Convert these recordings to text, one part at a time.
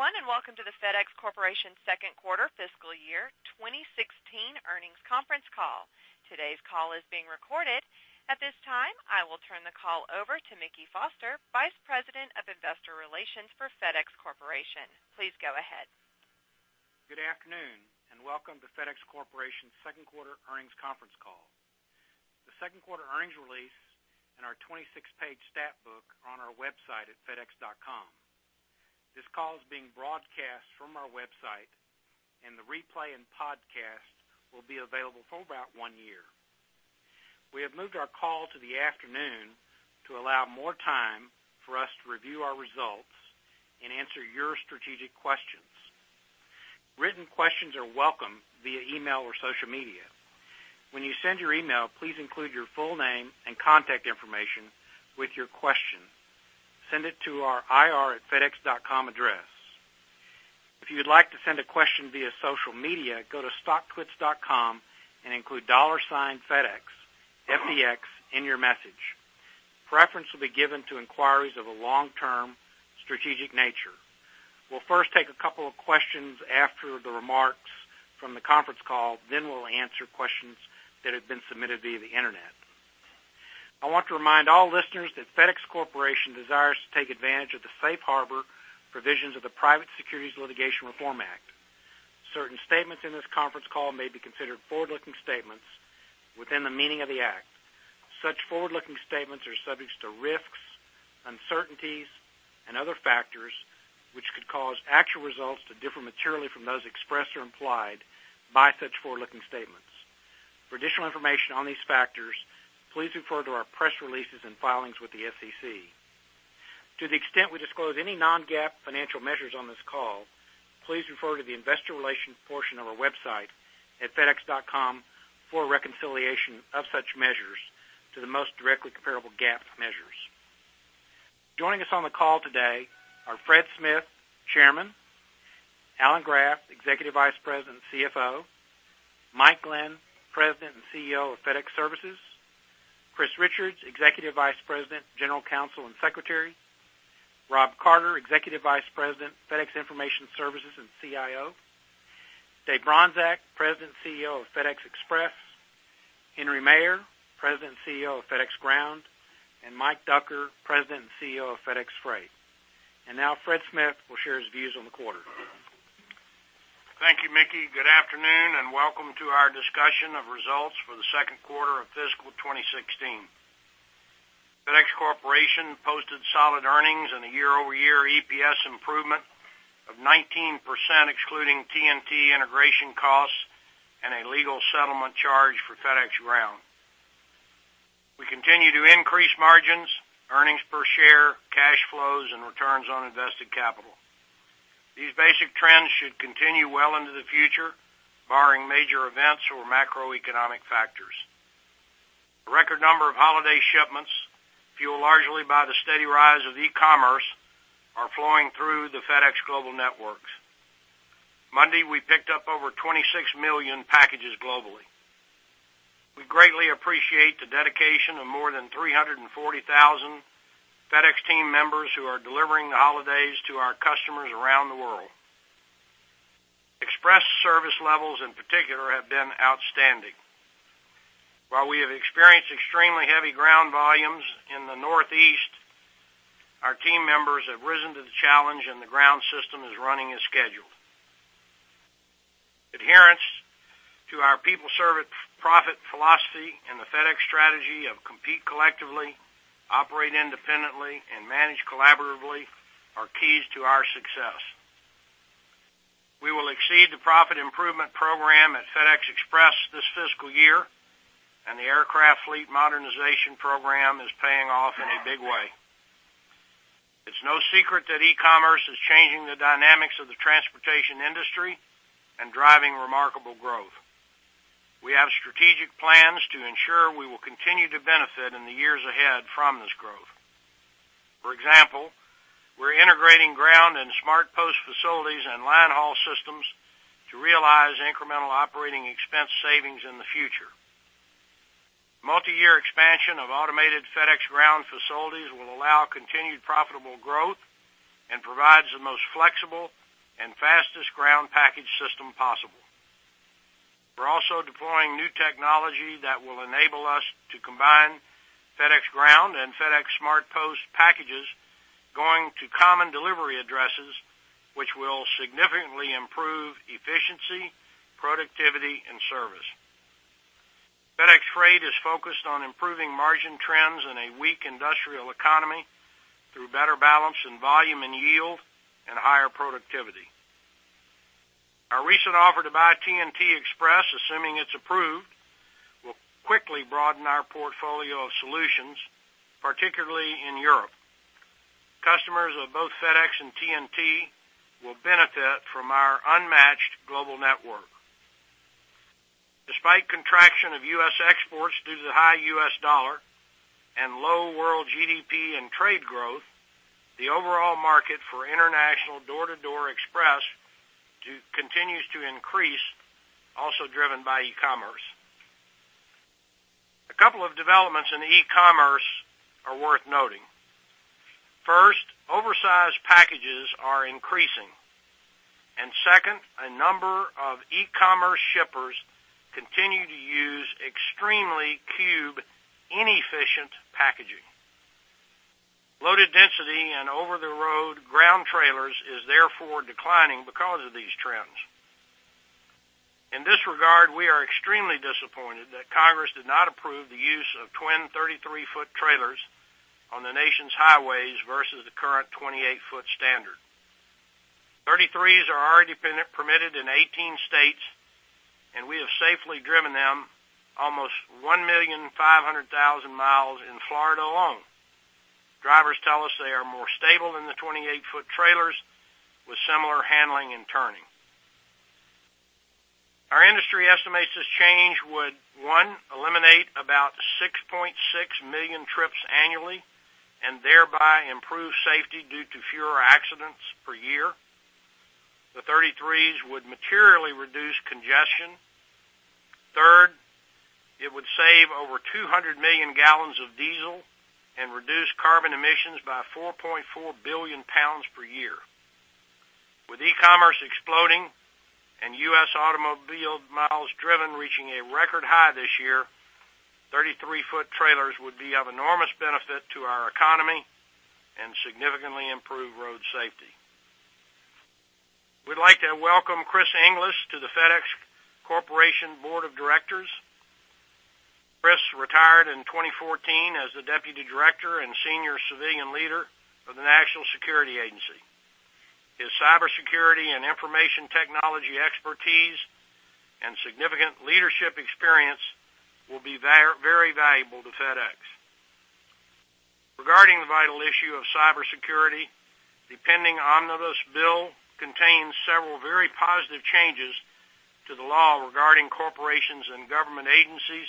Good day everyone and welcome to the FedEx Corporation second quarter fiscal year 2016 earnings conference call. Today's call is being recorded. At this time, I will turn the call over to Mickey Foster, Vice President of Investor Relations for FedEx Corporation. Please go ahead. Good afternoon and welcome to FedEx Corporation's second quarter earnings conference call, the second quarter earnings release and our 2016 page statbook on our website at fedex.com. This call is being broadcast from our website and the replay and podcast will be available for about one year. We have moved our call to the afternoon to allow more time for us to review our results and answer your strategic questions. Written questions are welcome via email or social media. When you send your email, please include your full name and contact information with your question. Send it to our ir.fedex.com address. If you would like to send a question via social media, go to StockTwits.com and include $FDX in your message. Preference will be given to inquiries of a long-term strategic nature. We'll first take a couple of questions after the remarks from the conference call. Then we'll answer questions that have been submitted via the Internet. I want to remind all listeners that FedEx Corporation desires to take advantage of the safe harbor provisions of the Private Securities Litigation Reform Act. Certain statements in this conference call may be considered forward-looking statements within the meaning of the Act. Such forward-looking statements are subject to risks, uncertainties and other factors which could cause actual results to differ materially from those expressed or implied by such forward-looking statements. For additional information on these factors, please refer to our press releases and filings with the SEC. To the extent we disclose any non-GAAP financial measures on this call, please refer to the Investor Relations portion of our website at fedex.com for a reconciliation of such measures to the most directly comparable GAAP measures. Joining us on the call today are Fred Smith, Chairman; Alan Graf, Executive Vice President and CFO; Mike Glenn, President and CEO of FedEx Services; Chris Richards, Executive Vice President, General Counsel, and Secretary; Rob Carter, Executive Vice President, FedEx Information Services and CIO; Dave Bronczek, President and CEO of FedEx Express; Henry Maier, President and CEO of FedEx Ground; and Mike Ducker, President and CEO of FedEx Freight. And now Fred Smith will share his views on the quarter. Thank you, Mickey. Good afternoon and welcome to our discussion of results for the second quarter of fiscal 2016. FedEx Corporation posted solid earnings and a year-over-year EPS improvement of 19% excluding TNT integration costs and a legal settlement charge for FedEx Ground. We continue to increase margins, earnings per share, cash flows and returns on invested capital. These basic trends should continue well into the future, barring major events or macroeconomic factors. A record number of holiday shipments, fueled largely by the steady rise of e-commerce, are flowing through the FedEx global networks. Monday we picked up over 26 million packages globally. We greatly appreciate the dedication of more than 340,000 FedEx team members who are delivering the holidays to our customers around the world. Express service levels in particular have been outstanding. While we have experienced extremely heavy ground volumes in the Northeast, our team members have risen to the challenge and the ground system is running as scheduled. Adherence to our people service profit philosophy and the FedEx strategy of compete collectively, operate independently and manage collaboratively are keys to our success. We will exceed the profit improvement program at FedEx Express this fiscal year and the aircraft fleet modernization program is paying off in a big way. It's no secret that e-commerce is changing the dynamics of the transportation industry and driving remarkable growth. We have strategic plans to ensure we will continue to benefit in the years ahead from this growth. For example, we're integrating ground and SmartPost facilities and line haul systems to realize incremental operating expense savings in the future. Multiyear expansion of automated FedEx Ground facilities will allow continued profitable growth and provides the most flexible and fastest ground package system possible. We're also deploying new technology that will enable us to combine FedEx Ground and FedEx SmartPost packages going to common delivery addresses, which will significantly improve efficiency, productivity, and service. FedEx Freight is focused on improving margin trends in a weak industrial economy through better balance in volume and yield and higher productivity. Our recent offer to buy TNT Express, assuming it's approved, will quickly broaden our portfolio of solutions, particularly in Europe. Customers of both FedEx and TNT will benefit from our unmatched global network. Despite contraction of U.S. exports due to the high U.S. dollar and low world GDP and trade growth, the overall market for international door-to-door Express continues to increase, also driven by e-commerce. A couple of developments in e-commerce are worth noting. First, oversized packages are increasing and, second, a number of e-commerce shippers continue to use extremely cube-inefficient packaging. Loaded density and over-the-road ground trailers is therefore declining because of these trends. In this regard, we are extremely disappointed that Congress did not approve the use of twin 33-foot trailers on the nation's highways versus the current 28-foot standard. 33s are already permitted in 18 states and we have safely driven them almost 1,500,000 miles in Florida alone. Drivers tell us they are more stable than the 28-foot trailers with similar handling and turning. Our industry estimates this change would one eliminate about 6.6 million trips annually and thereby improve safety due to fewer accidents per year. The 33s would materially reduce congestion. Third, it would save over 200 million gallons of diesel and reduce carbon emissions by 4.4 billion pounds per year. With E-commerce exploding and U.S. automobile miles driven reaching a record high this year, 33-foot trailers would be of enormous benefit to our economy and significantly improve road safety. We'd like to welcome Chris Inglis to the FedEx Corporation board of directors. Chris retired in 2014 as the Deputy Director and Senior Civilian Leader of the National Security Agency. His cybersecurity and information technology expertise and significant leadership experience will be very valuable to FedEx regarding the vital issue of cybersecurity. The pending omnibus bill contains several very positive changes to the law regarding corporations and government agencies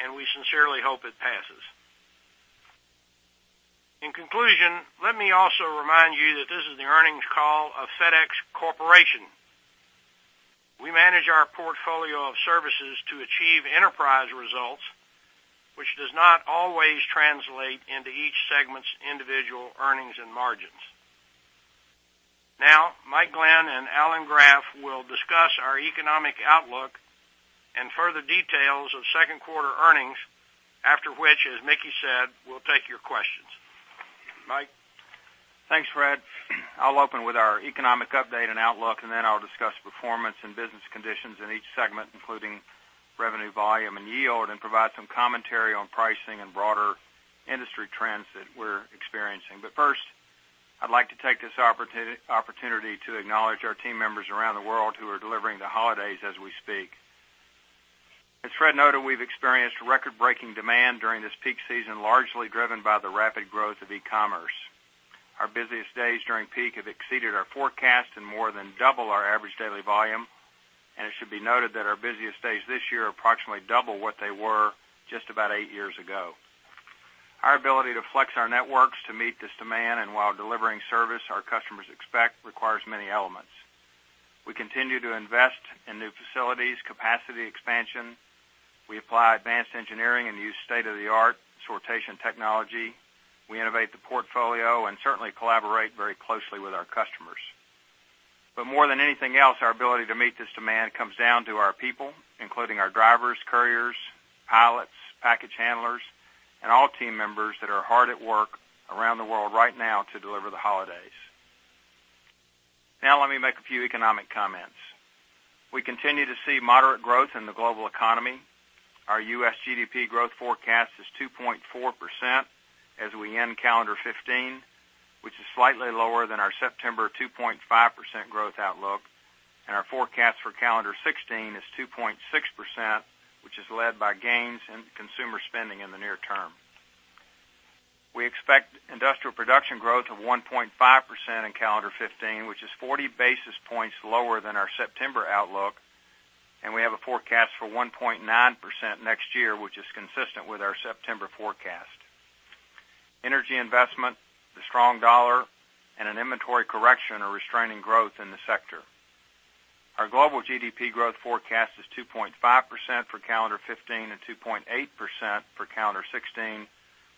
and we sincerely hope it passes. In conclusion, let me also remind you that this is the earnings call of FedEx Corporation. We manage our portfolio of services to achieve enterprise results which does not always translate into each segment's individual earnings and margins. Now, Mike Glenn and Alan Graf will discuss our economic outlook and further details of second quarter earnings after which, as Mickey said, we'll take your questions. Mike? Thanks Fred. I'll open with our economic update and outlook and then I'll discuss performance and business conditions in each segment including revenue, volume and yield, and provide some commentary on pricing and broader industry trends that we're experiencing. But first I'd like to take this opportunity to acknowledge our team members around the world who are delivering the holidays as we speak. As Fred noted, we've experienced record-breaking demand during this peak season, largely driven by the rapid growth of e-commerce. Our busiest days during peak have exceeded our forecast and more than double our average daily volume. It should be noted that our busiest days this year are approximately double what they were just about eight years ago. Our ability to flex our networks to meet this demand and while delivering service our customers experience requires many elements. We continue to invest in new facilities, capacity expansion. We apply advanced engineering and use state-of-the-art sortation technology. We innovate the portfolio and certainly collaborate very closely with our customers. But more than anything else, our ability to meet this demand comes down to our people, including our drivers, couriers, pilots, package handlers and all team members that are hard at work around the world right now to deliver the holidays. Now let me make a few economic comments. We continue to see moderate growth in the global economy. Our U.S. GDP growth forecast is 2.4% as we end calendar 2015, which is slightly lower than our September 2.5% growth outlook. And our forecast for calendar 2016 is 2.6%, which is led by gains in consumer spending. In the near term, we expect industrial production growth of 1.5% in calendar 2015, which is 40 basis points lower than our September outlook. We have a forecast for 1.9% next year, which is consistent with our September forecast. Energy investment, the strong dollar and an inventory correction are restraining growth in the sector. Our global GDP growth forecast is 2.5% for calendar 2015 and 2.8% for calendar 2016,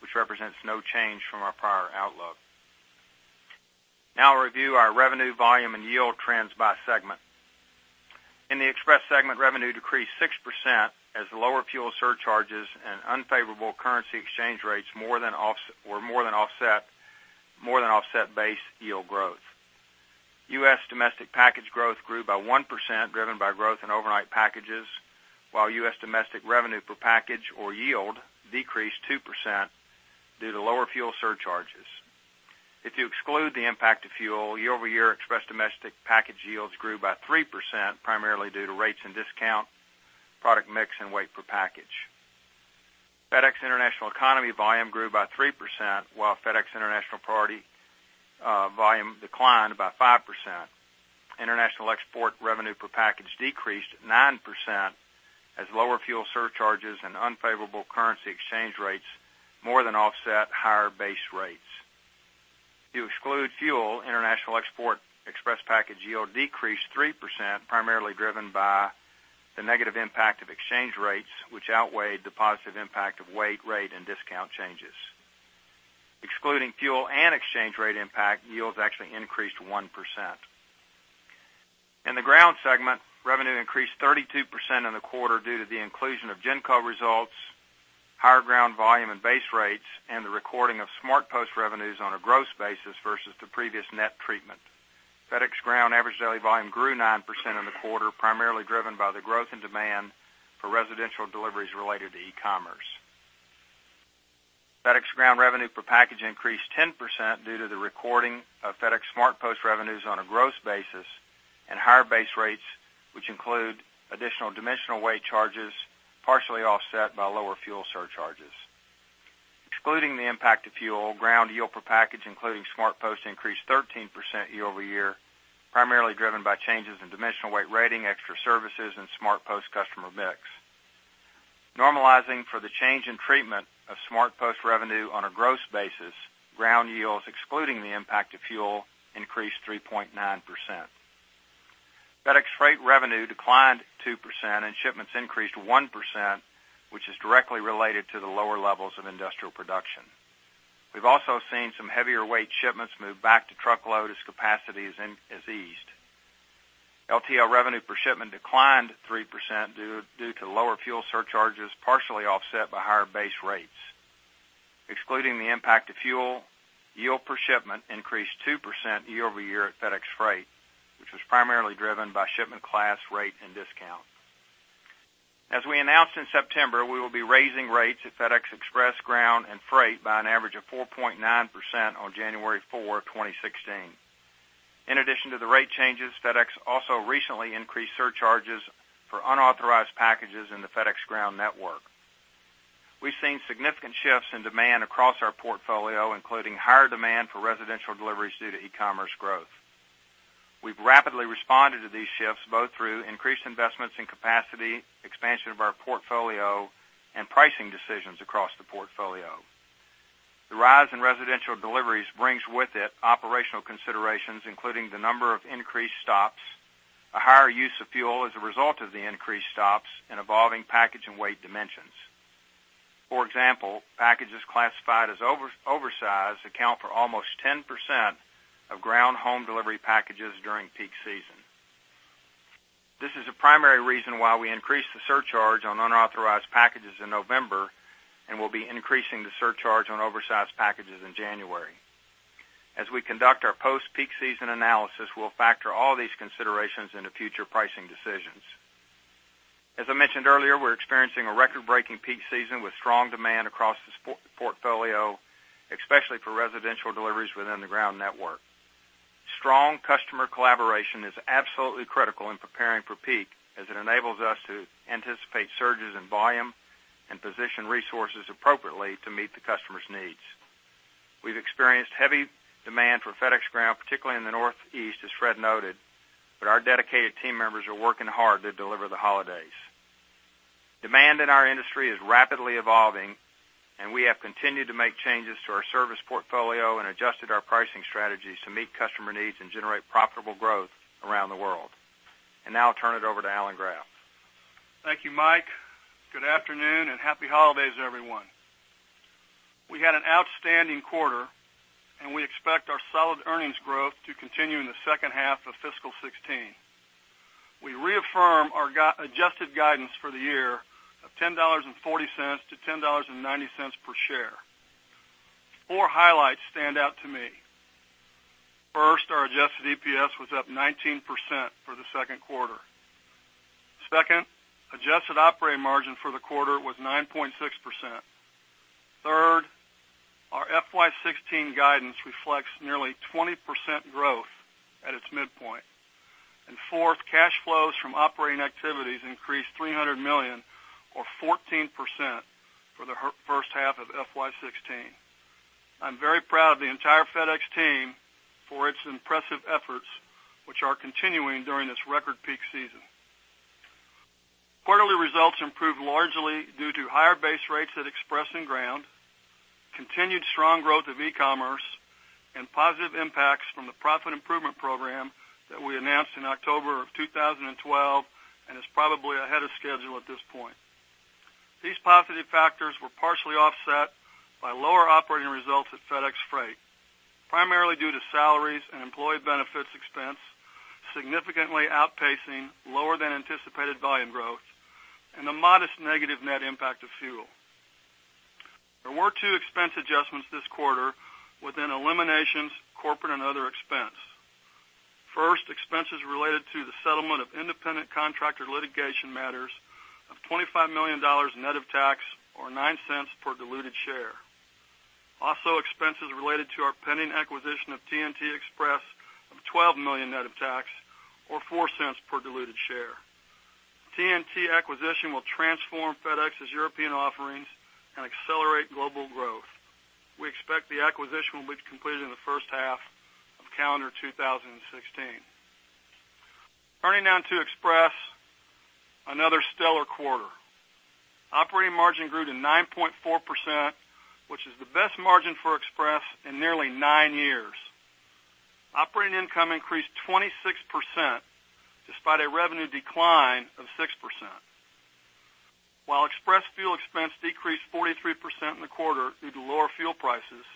which represents no change from our prior outlook. Now I'll review our revenue volume and yield trends by segment. In the express segment, revenue decreased 6% as lower fuel surcharges and unfavorable currency exchange rates were more than offset base yield growth. U.S. domestic package growth grew by 1% driven by growth in overnight packages, while U.S. domestic revenue per package or yield decreased 2% due to lower fuel surcharges. If you exclude the impact of fuel year-over-year, Express domestic package yields grew by 3% primarily due to rates and discount product mix and weight per package. FedEx International Economy volume grew by 3% while FedEx International Priority volume declined by 5%. International Export revenue per package decreased 9% as lower fuel surcharges and unfavorable currency exchange rates more than offset higher base rates. If you exclude fuel, International Export Express package yield decreased 3% primarily driven by the negative impact of exchange rates which outweighed the positive impact of weight, rate, and discount changes. Excluding fuel and exchange rate impact, yields actually increased 1% in the ground segment. Revenue increased 32% in the quarter due to the inclusion of GENCO results. Higher ground volume and base rates and the recording of SmartPost revenues on a gross basis versus the previous net treatment. FedEx Ground average daily volume grew 9% in the quarter, primarily driven by the growth in demand for residential deliveries related to e-commerce. FedEx Ground revenue per package increased 10% due to the recording of FedEx SmartPost revenues on a gross basis and higher base rates which include additional dimensional weight charges partially offset by lower fuel surcharges. Excluding the impact of fuel ground yield per package including SmartPost increased 13% year-over-year, primarily driven by changes in dimensional weight rating, extra services and SmartPost customer mix normalizing for the change in treatment of SmartPost revenue on a gross basis. Ground yields excluding the impact of fuel increased 3.9%. FedEx Freight revenue declined 2% and shipments increased 1%, which is directly related to the lower levels of industrial production. We've also seen some heavier weight shipments move back to truckload as capacity has eased. LTL revenue per shipment declined 3% due to lower fuel surcharges, partially offset by higher base rates. Excluding the impact of fuel, yield per shipment increased 2% year-over-year at FedEx Freight, which was primarily driven by shipment class, rate, and discount. As we announced in September, we will be raising rates at FedEx Express, Ground, and Freight by an average of 4.9% on January 4, 2016. In addition to the rate changes, FedEx also recently increased surcharges for unauthorized packages in the FedEx Ground network. We've seen significant shifts in demand across our portfolio, including higher demand for residential deliveries due to e-commerce growth. We've rapidly responded to these shifts, both through increased investments in capacity, expansion of our portfolio, and pricing decisions across the portfolio. The rise in residential deliveries brings with it operational considerations including the number of increased stops, a higher use of fuel as a result of the increased stops, and evolving package and weight dimensions. For example, packages classified as oversized account for almost 10% of Ground Home Delivery packages during peak season. This is a primary reason why we increased the surcharge on unauthorized packages in November and we'll be increasing the surcharge on oversized packages in January. As we conduct our post peak season analysis, we'll factor all these considerations into future pricing decisions. As I mentioned earlier, we're experiencing a record breaking peak season with strong demand across the portfolio, especially for residential deliveries within the ground network. Strong customer collaboration is absolutely critical in preparing for peak as it enables us to anticipate surges in volume and position resources appropriately to meet the customer's needs. We've experienced heavy demand for FedEx Ground, particularly in the Northeast, as Fred noted, but our dedicated team members are working hard to deliver the holidays. Demand in our industry is rapidly evolving and we have continued to make changes to our service portfolio and adjusted our pricing strategies to meet customer needs and generate profitable growth around the world. Now I'll turn it over to Alan Graf. Thank you Mike. Good afternoon and happy holidays everyone. We had an outstanding quarter and we expect our solid earnings growth to continue in the second half of fiscal 2016. We reaffirm our adjusted guidance for the year of $10.40-$10.90 per share. Four highlights stand out to me. First, our adjusted EPS was up 19% for the second quarter. Second, adjusted operating margin for the quarter was 9.6%. Third, our FY2016 guidance reflects nearly 20% growth at its midpoint and fourth, cash flows from operating activities increased $300 million or 14% for the first half of FY2016. I'm very proud of the entire FedEx team for its impressive efforts which are continuing during this record peak season. Quarterly results improved largely due to higher base rates at Express and Ground, continued strong growth of e-commerce and positive impacts from the Profit Improvement Program that we announced in October of 2012 and is probably ahead of schedule at this point. These positive factors were partially offset by lower operating results at FedEx Freight primarily due to salaries and employee benefits expense significantly outpacing lower than anticipated volume growth and a modest negative net impact of fuel. There were two expense adjustments this quarter within eliminations, corporate, and other expense. First, expenses related to the settlement of independent contractor litigation matters of $25 million net of tax or $0.09 per diluted share. Also, expenses related to our pending acquisition of TNT Express of $12 million net of tax or $0.04 per diluted share. TNT acquisition will transform FedEx's European offerings and accelerate global growth. We expect the acquisition will be completed in the first half of calendar 2016. Turning now to Express, another stellar quarter. Operating margin grew to 9.4% which is the best margin for Express in nearly nine years. Operating income increased 26% despite a revenue decline of 6%, while Express fuel expense decreased 43% in the quarter due to lower fuel prices.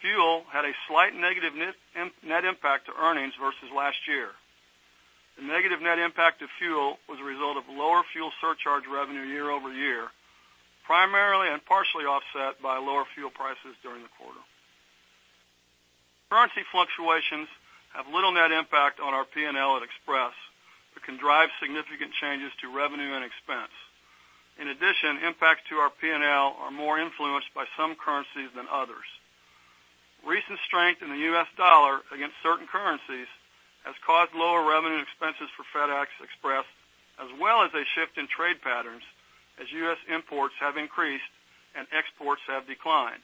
Fuel had a slight negative net impact to earnings versus last year. The negative net impact of fuel was a result of lower fuel surcharge revenue year over year, primarily and partially offset by lower fuel prices during the quarter. Currency fluctuations have little net impact on our P&L at Express, but can drive significant changes to revenue and expense. In addition, impacts to our P and L are more influenced by some currencies than others. Recent strength in the U.S. dollar against certain currencies has caused lower revenue expenses for FedEx Express as well as a shift in trade patterns as U.S. imports have increased and exports have declined.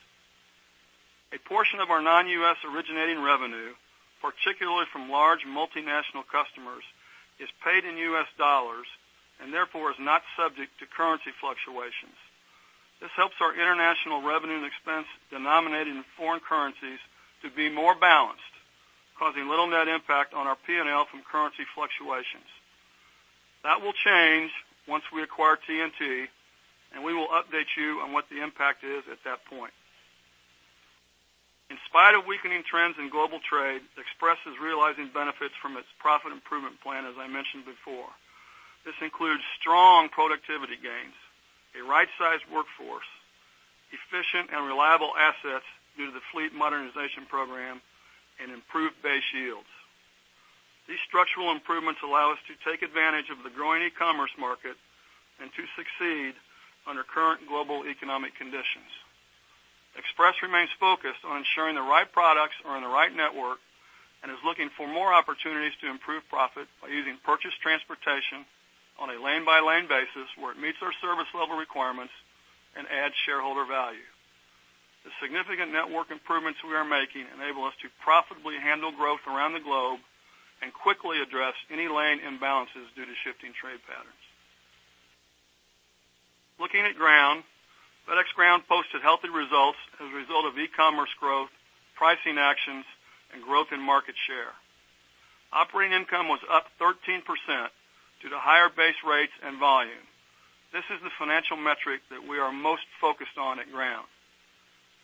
A portion of our non-U.S. originating revenue, particularly from large multinational customers, is paid in U.S. dollars and therefore is not subject to currency fluctuations. This helps our international revenue and expense denominated in foreign currencies to be more balanced, causing little net impact on our P&L from currency fluctuations. That will change once we acquire TNT and we will update you on what the impact is at that point. In spite of weakening trends in global trade, Express is realizing benefits from its profit improvement plan. As I mentioned before, this includes strong productivity gains, a right-sized workforce, efficient and reliable assets due to the fleet modernization program and improved base yields. These structural improvements allow us to take advantage of the growing e-commerce market and to succeed under current global economic conditions. Express remains focused on ensuring the right products are in the right network and is looking for more opportunities to improve profit by using purchased transportation on a lane-by-lane basis where it meets our service level requirements and add shareholder value. The significant network improvements we are making enable us to profitably handle growth around the globe and quickly address any lane imbalances due to shifting trade patterns. Looking at Ground, FedEx Ground posted healthy results as a result of e-commerce growth, pricing actions and growth in market share. Operating income was up 13% due to higher base rates and volume. This is the financial metric that we are most focused on at Ground.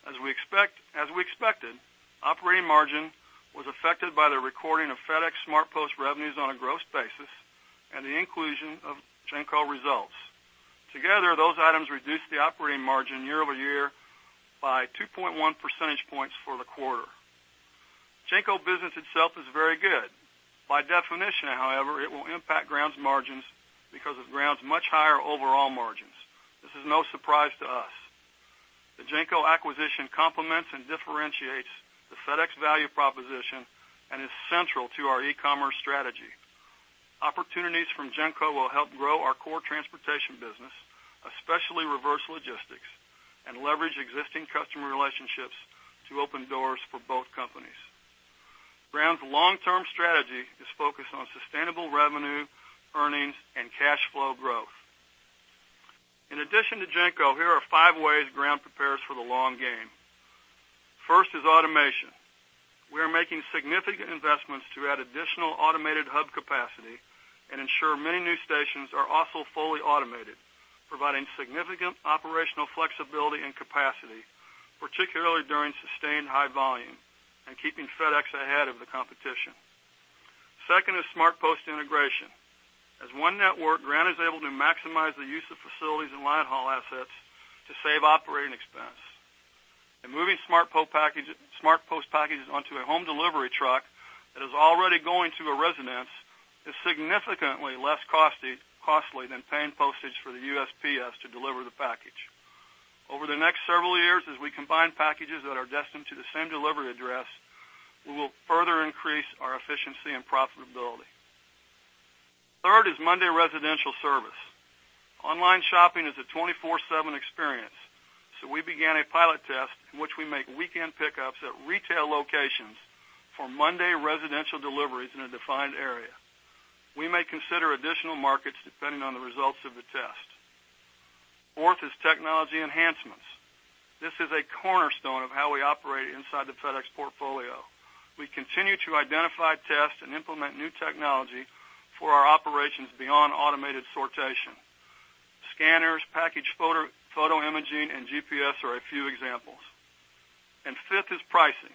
As we expected, operating margin was affected by the recording of FedEx SmartPost revenues on a gross basis and the inclusion of GENCO results. Together, those items reduced the operating margin year-over-year by 2.1 percentage points for the quarter. GENCO business itself is very good, point by definition. However, it will impact Ground's margins because of Ground's much higher overall margins. This is no surprise to us. The GENCO acquisition complements and differentiates the FedEx value proposition and is central to our e-commerce strategy. Opportunities from GENCO will help grow our core transportation business, especially reverse logistics and leverage existing customer relationships to open doors for both companies. Ground's long-term strategy is focused on sustainable revenue, earnings, and cash flow growth. In addition to GENCO, here are five ways Ground prepares for the long game. First is automation. We are making significant investments to add additional automated hub capacity and ensure many new stations are also fully automated, providing significant operational flexibility and capacity particularly during sustained high volume and keeping FedEx ahead of the competition. Second is SmartPost integration Third is Monday residential service. Online shopping is a 24/7 experience, so we began a pilot test in which we make weekend pickups at retail locations for Monday residential deliveries in a defined area. We may consider additional markets that, depending on the results of the test. Fourth is technology enhancements. This is a cornerstone of how we operate inside the FedEx portfolio. We continue to identify, test and implement new technology for our operations. Beyond automated sortation scanners, package photo imaging and GPS are a few examples. And fifth is pricing.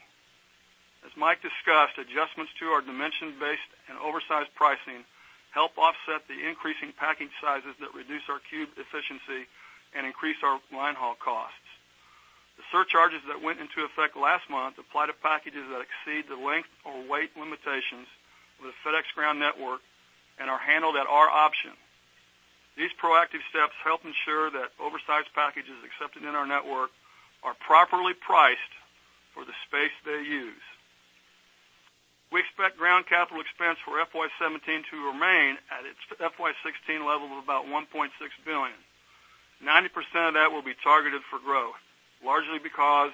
As Mike discussed, adjustments to our dimension-based and oversized pricing help offset the increasing package sizes that reduce our cube efficiency and increase our line haul costs. The surcharges that went into effect last month apply to packages that exceed the length or weight limitations of the FedEx Ground network and are handled at our option. These proactive steps help ensure that oversized packages accepted in our network are properly priced for the space they use. We expect Ground capital expense for FY17 to remain at its FY16 level of about $1.6 billion. 90% of that will be targeted for growth largely because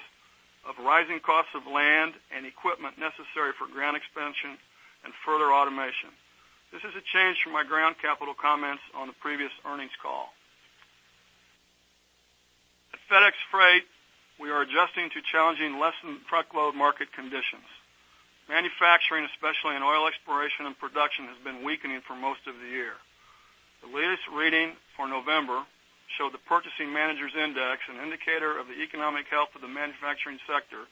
of rising costs of land and equipment necessary for Ground expansion and further automation. This is a change from my Ground capital comments on the previous earnings call. The FedEx Freight we are adjusting to challenging less-than-truckload market conditions. Manufacturing, especially in oil exploration and production, has been weakening for most of the year. The latest reading for November showed the Purchasing Managers' Index, an indicator of the economic health of the manufacturing sector,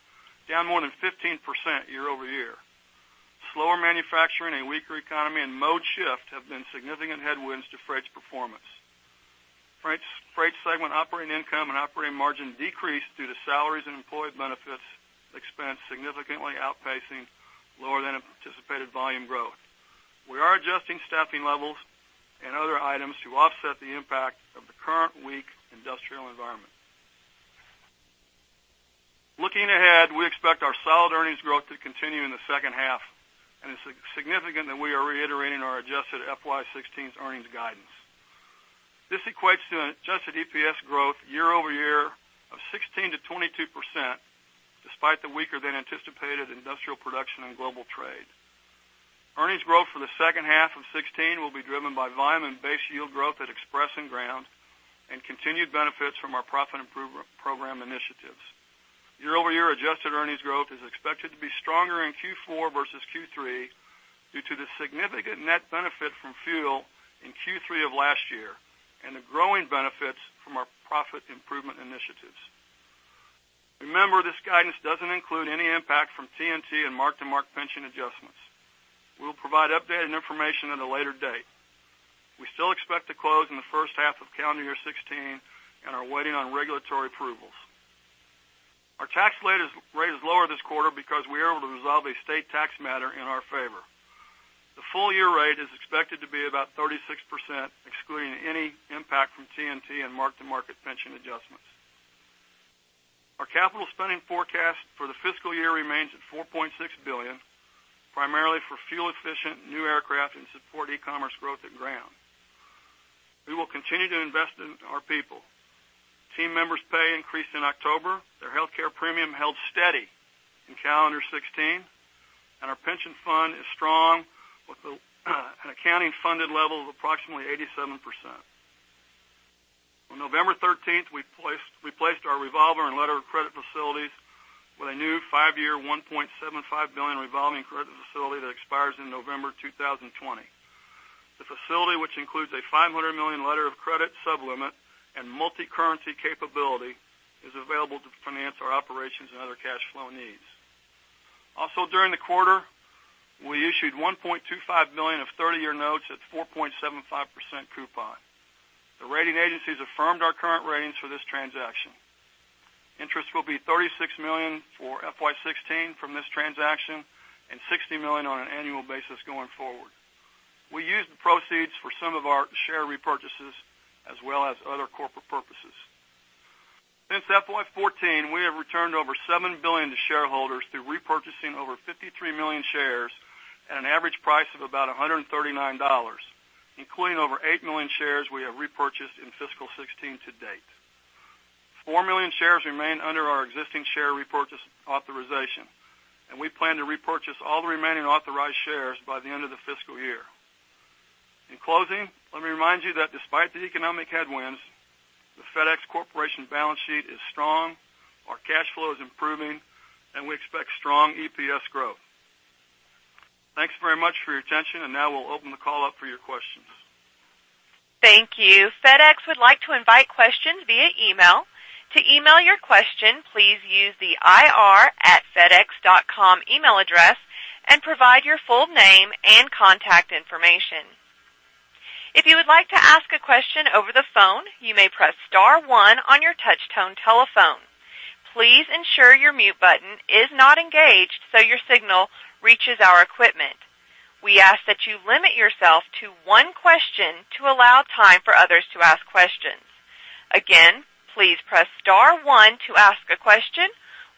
down more than 15% year-over-year. Slower manufacturing, a weaker economy and mode shift have been significant headwinds to Freight's performance. Freight segment operating income and operating margin decreased due to salaries and employee benefits expense significantly outpacing lower than anticipated volume growth. We are adjusting staffing levels and other items to offset the impact of the current weak industrial environment. Looking ahead, we expect our solid earnings growth to continue in the second half and it's significant that we are reiterating our adjusted FY16 earnings guidance. This equates to an adjusted EPS growth year-over-year of 16%-22% despite the weaker than anticipated industrial production and global trade. Earnings growth for 2H16 will be driven by volume and base yield growth at Express and Ground and continued benefits from our Profit Improvement Program initiatives year-over-year. Adjusted earnings growth is expected to be stronger in Q4 versus Q3 due to the significant net benefit from fuel in Q3 of last year and the growing benefits from our profit improvement initiatives. Remember, this guidance doesn't include any impact from TNT and mark-to-market pension adjustments. We'll provide updated information at a later date. We still expect to close in the first half of calendar year 2016 and are waiting on regulatory approvals. Our tax rate is lower this quarter because we were able to resolve a state tax matter in our favor. The full year rate is expected to be about 36% excluding any impact from TNT and mark-to-market pension adjustments. Our capital spending forecast for the fiscal year remains at $4.6 billion, primarily for fuel-efficient new aircraft and support e-commerce growth. At Ground, we will continue to invest in our people. Team members' pay increased in October, their health care premium held steady in calendar 2016 and our pension fund is strong with an accounting funded level of approximately 87%. On November 13, we replaced our revolver and letter of credit facilities with a new 5-year $1.75 billion revolving credit facility that expires in November 2020. The facility, which includes a $500 million letter of credit sublimit and multi-currency capability, is available to finance our operations and other cash flow needs. Also during the quarter we issued $1.25 million of 30-year notes at 4.75% coupon. The rating agencies affirmed our current ratings for this transaction. Interest will be $36 million for FY16 from this transaction and $60 million on an annual basis going forward. We used the proceeds for some of our share repurchases as well as other corporate purposes. Since FY2014 we have returned over $7 billion to shareholders through repurchasing over 53 million shares at an average price of about $139, including over 8 million shares we have repurchased in fiscal 2016 to date. 4 million shares remain under our existing share repurchase authorization and we plan to repurchase all the remaining authorized shares by the end of the fiscal year. In closing, let me remind you that despite the economic headwinds, the FedEx Corporation balance sheet is strong, our cash flow is improving and we expect strong EPS growth. Thanks very much for your attention and now we'll open the call up for your questions. Thank you. FedEx would like to invite questions via email. To email your question, please use the fedex.com email address and provide your full name and contact information. If you would like to ask a question over the phone, you may press Star one on your touchtone telephone. Please ensure your mute button is not engaged so your signal reaches our equipment. We ask that you limit yourself to one question to allow time for others to ask questions. Again, please press Star one to ask a question.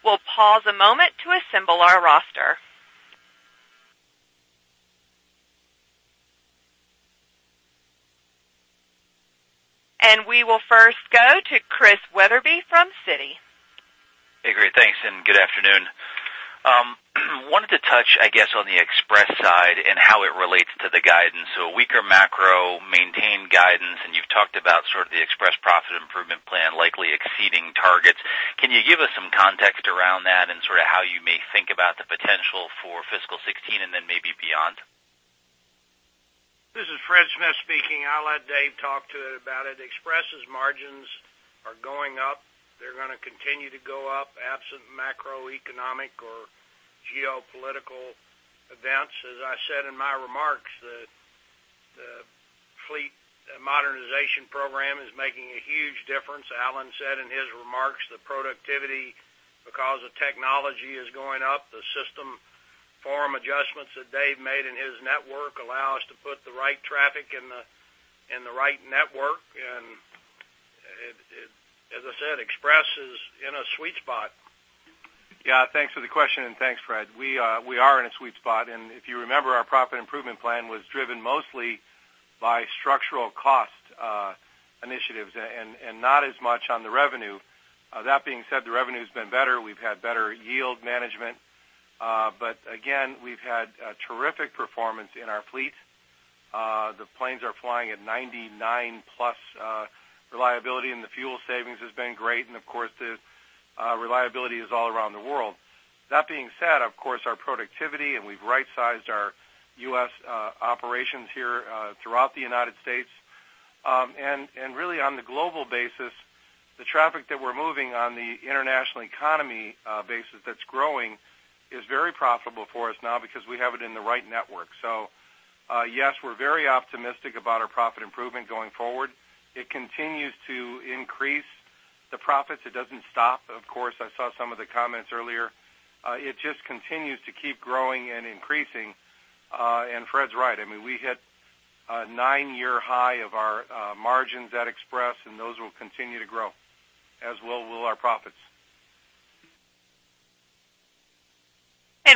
We'll pause a moment to assemble our roster. We will first go to Chris Wetherbee from Citi. Great thanks and good afternoon. Wanted to touch, I guess, on the Express side and how it relates to the guidance. So a weaker macro, maintained guidance, and you've talked about sort of the Express profit improvement plan likely exceeding targets. Can you give us some context around that and sort of how you may think about the potential for fiscal 2016 and then maybe beyond. This is Fred Smith speaking. I'll let Dave talk to it about it. Express's margins are going up. They're going to continue to go up absent macroeconomic or geopolitical events. As I said in my remarks, the fleet modernization program is making a huge difference. Alan said in his remarks the productivity because of technology is going up. The system form adjustments that Dave made in his network allow us to put the right traffic in the right network. As I said, Express is in a sweet spot. Yeah, thanks for the question and thanks Fred. We are in a sweet spot and if you remember, our profit improvement plan was driven mostly by structural cost initiatives and not as much on the revenue. That being said, the revenue has been better. We've had better yield management but again we've had terrific performance in our fleet. The planes are flying at 99 plus reliability and the fuel savings has been great. And of course reliability is all around the world. That being said, of course our productivity and we've rightsized our U.S. operations here throughout the United States. And really on the global basis, the traffic that we're moving on the international economy basis that's growing is very profitable for us now because we have it in the right network. So yes, we're very optimistic about our profit improvement going forward. It continues to increase the profits. It doesn't stop. Of course, I saw some of the comments earlier. It just continues to keep growing and increasing. And Fred's right. I mean, we hit a 9-year high of our margins at Express, and those will continue to grow as will our profits.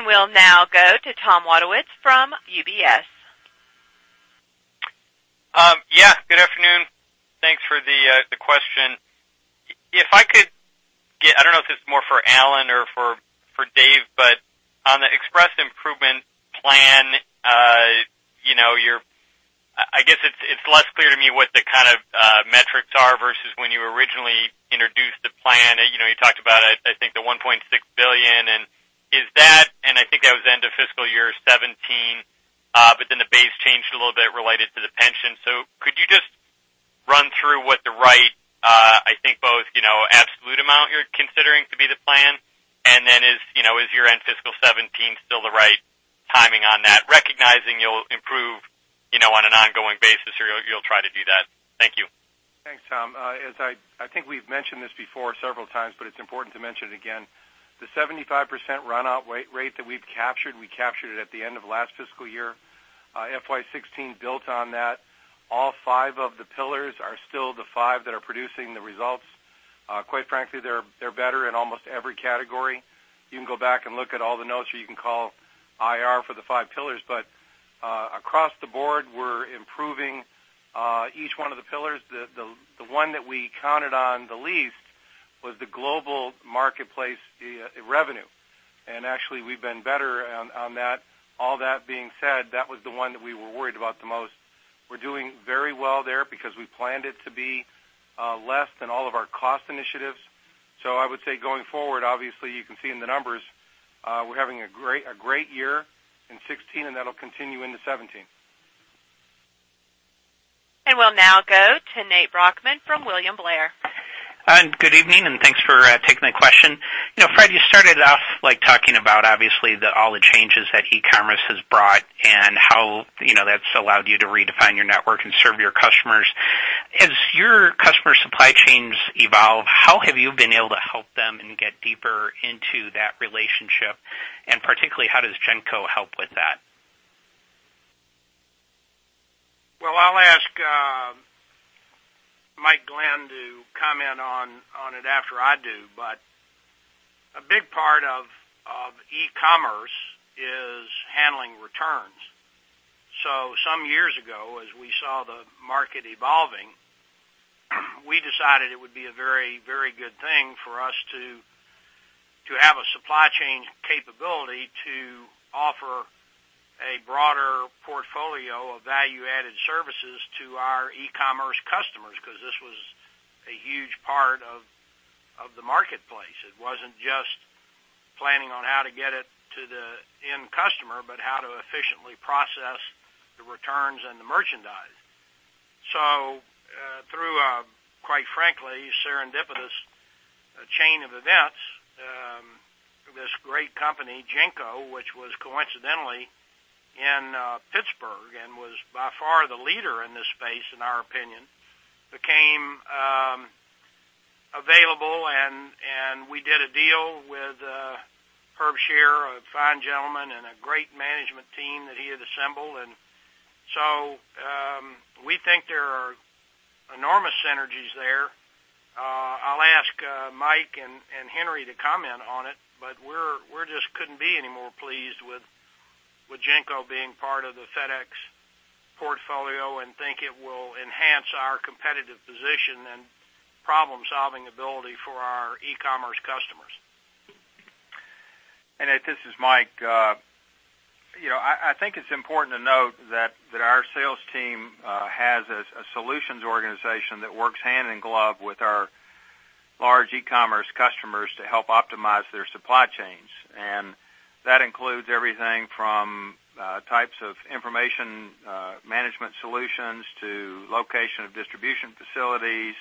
We'll now go to Tom Wadewitz from UBS. Yeah, good afternoon. Thanks for the question. If I could get, I don't know if this is more for Alan or for Dave, but on the Express improvement plan, you know, I guess it's less clear to me what the kind of metrics are versus when you originally introduced the plan. You know you talked about I think the $1.6 billion and is that and I think that was end of fiscal year 2017, but then the base changed a little bit related to the pension. Could you just run through what? The right, I think both absolute amount. You're considering to be the plan and. Is your end fiscal 2017 still the right timing on that recognizing you'll improve on an ongoing basis or you'll try to do that? Thank you. Thanks, Tom. I think we've mentioned this before several times but it's important to mention again the 75% run out rate that we've captured. We captured it at the end of last fiscal year, FY16. Built on that. All five of the pillars are still the five that are producing the results. Quite frankly, they're better in almost every category. You can go back and look at all the notes or you can call IR for the five pillars. But across the board we're improving each. One of the pillars. The one that we counted on the least was the global marketplace revenue, and actually we've been better on that. All that being said, that was the one that we were worried about the most. We're doing very well there because we planned it to be less than all of our cost initiatives. So I would say going forward, obviously you can see in the numbers we're having a great year in 2016 and that will continue into 2017. We'll now go to Nate Brochmann from William Blair. Good evening and thanks for taking the question. Fred, you started off talking about obviously the volume that e-commerce has brought and how that's allowed you to redefine your network and serve your customers as your customer supply chains evolve. How have you been able to help them and get deeper into that relationship? And particularly how does GENCO help with that? Well, I'll ask Mike Glenn to comment on it after I do. But a big part of e-commerce is handling returns. So some years ago as we saw the market evolving, we decided it would be a very, very good thing for us to have a supply chain capability to offer a broader portfolio of value added services to our e-commerce customers. Because this was a huge part of the marketplace. It wasn't just planning on how to get it to the end customer, but how to efficiently process the returns and the merchandise. So through a quite frankly, serendipitous chain of events, this great company GENCO, which was coincidentally in Pittsburgh and was by far the leader in this space, in our opinion, became available and we did a deal with Herb Shear, a fine gentleman and a great management team that he had assembled. And so we think there are enormous synergies there. I'll ask Mike and Henry to comment on it, but we just couldn't be any more pleased with GENCO being part of the FedEx portfolio and think it will enhance our competitive position and problem solving ability for our e-commerce customers. Annette, this is Mike. You know, I think it's important to note that our sales team has a solutions organization that works hand in glove with our large e-commerce customers to help optimize their supply chains. And that includes everything from types of information management solutions to location of distribution facilities,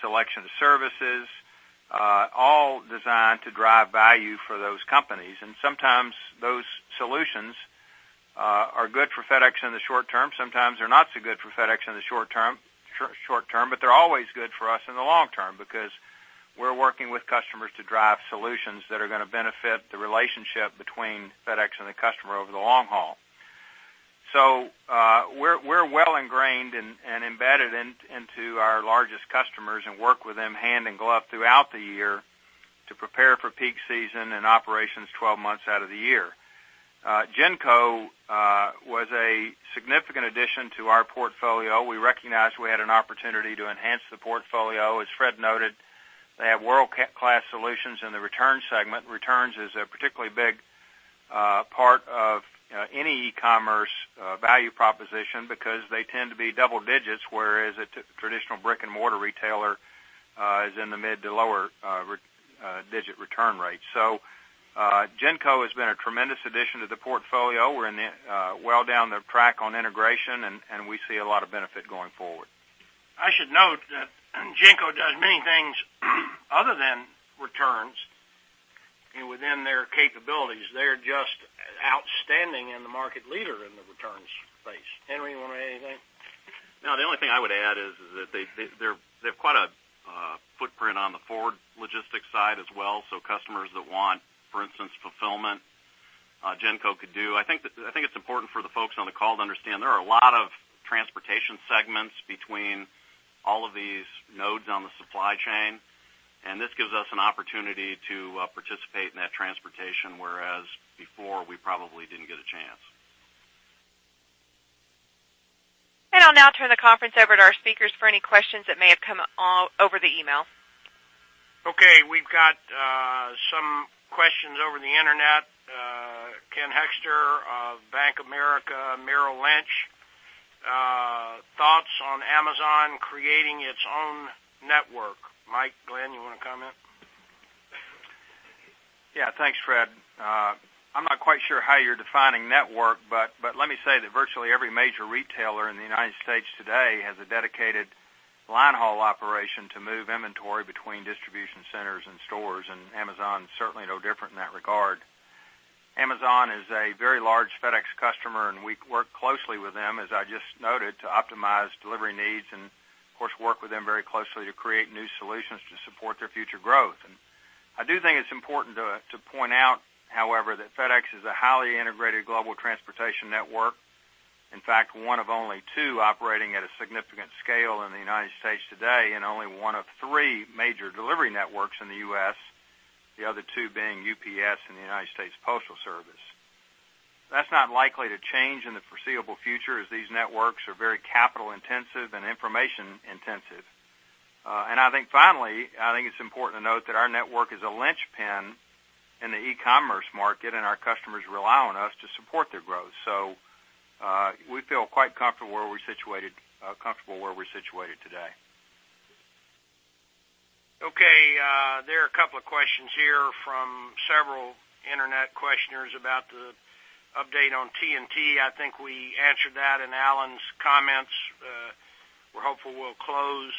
selection of services, all designed to drive value for those companies. And sometimes those solutions are good for FedEx in the short term. Sometimes they're not so good for FedEx in the short term, but they're always good for us in the long term because we're working with customers to drive solutions that are going to benefit the relationship between FedEx and the customer over the long haul. So we're well ingrained and embedded into our largest customers and work with them hand in glove throughout the year to prepare for peak season and operations 12 months out of the year. GENCO was a significant addition to our portfolio. We recognized we had an opportunity to enhance the product portfolio. As Fred noted, they have world-class solutions in the return segment. Returns is a particularly big part of any e-commerce value proposition because they tend to be double digits whereas a traditional brick and mortar retailer is in the mid to lower digit return rate. So GENCO has been a tremendous addition to the portfolio. We're well down the track on integration and we see a lot of benefit going forward. I should note that GENCO does many things other than returns and within their capabilities they're just outstanding and the market leader in the returns space. Henry, you want to add anything? No, the only thing I would add is that they have quite a footprint on the forward logistics side as well. So customers that want, for instance, fulfillment, GENCO could do. I think it's important for the folks on the call to understand there are a lot of transportation segments between all of these nodes on the supply chain and this gives us an opportunity to participate in that transportation, whereas before we probably didn't get a chance. I'll now turn the conference over to our speakers for any questions that may have come over the email. Okay, we've got some questions over the Internet. Ken Hoexter of Bank of America Merrill Lynch. Thoughts on Amazon creating its own network? Mike Glenn, you want to comment? Yeah, thanks Fred. I'm not quite sure how you're defining network, but let me say that virtually every major retailer in the United States today has a dedicated line haul operation to move inventory between distribution centers and stores. And Amazon is certainly no different in that regard. Amazon is a very large FedEx customer and we work closely with them, as I just noted, to optimize delivery needs and of course work with them very closely to create new solutions to support their future growth. I do think it's important to point out, however, that FedEx is a highly integrated global transportation network. In fact, one of only two operating at a significant scale in the United States today and only one of three major delivery networks in the U.S., the other two being UPS and the United States Postal Service. That's not likely to change in the foreseeable future as these networks are very capital intensive and information intensive. And I think, finally, I think it's important to note that our network is a linchpin in the e-commerce market and our customers rely on us to support their growth. So we feel quite comfortable where we're situated today. Okay, there are a couple of questions here from several Internet questioners about the update on TNT. I think we answered that in Alan's comments. We're hopeful we'll close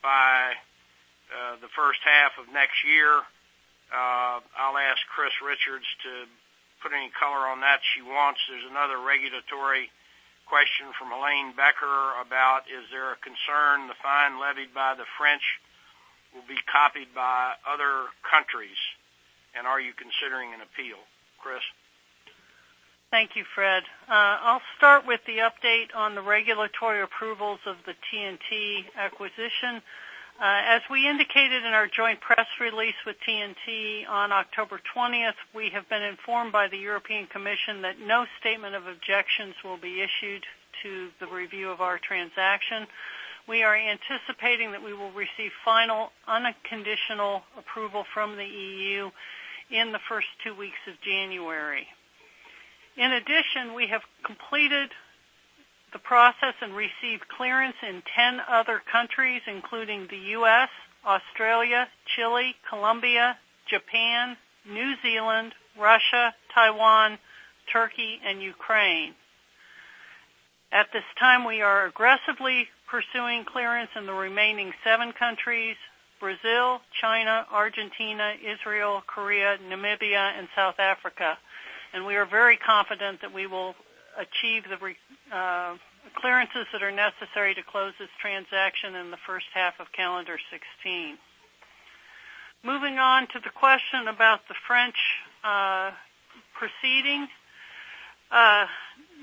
by the first half of next year. I'll ask Chris Richards to put any color on that she wants. There's another regulatory question from Helane Becker about is there a concern the fine levied by the French will be copied by other countries and are you considering an appeal? Chris, thank you, Fred. I'll start with the update on the regulatory approvals of the TNT acquisition. As we indicated in our joint press release with TNT on October 20, we have been informed by the European Commission that no statement of objections will be issued to the review of our transaction. We are anticipating that we will receive final unconditional approval from the EU in the first two weeks of January. In addition, we have completed the process and received clearance in 10 other countries, including the U.S., Australia, Chile, Colombia, Japan, New Zealand, Russia, Taiwan, Taiwan, Turkey and Ukraine. At this time, we are aggressively pursuing clearance in the remaining seven countries, Brazil, China, Argentina, Israel, Korea, Namibia and South Africa. We are very confident that we will achieve the clearances that are necessary to close this transaction in the first half of calendar 2016. Moving on to the question about the French proceeding.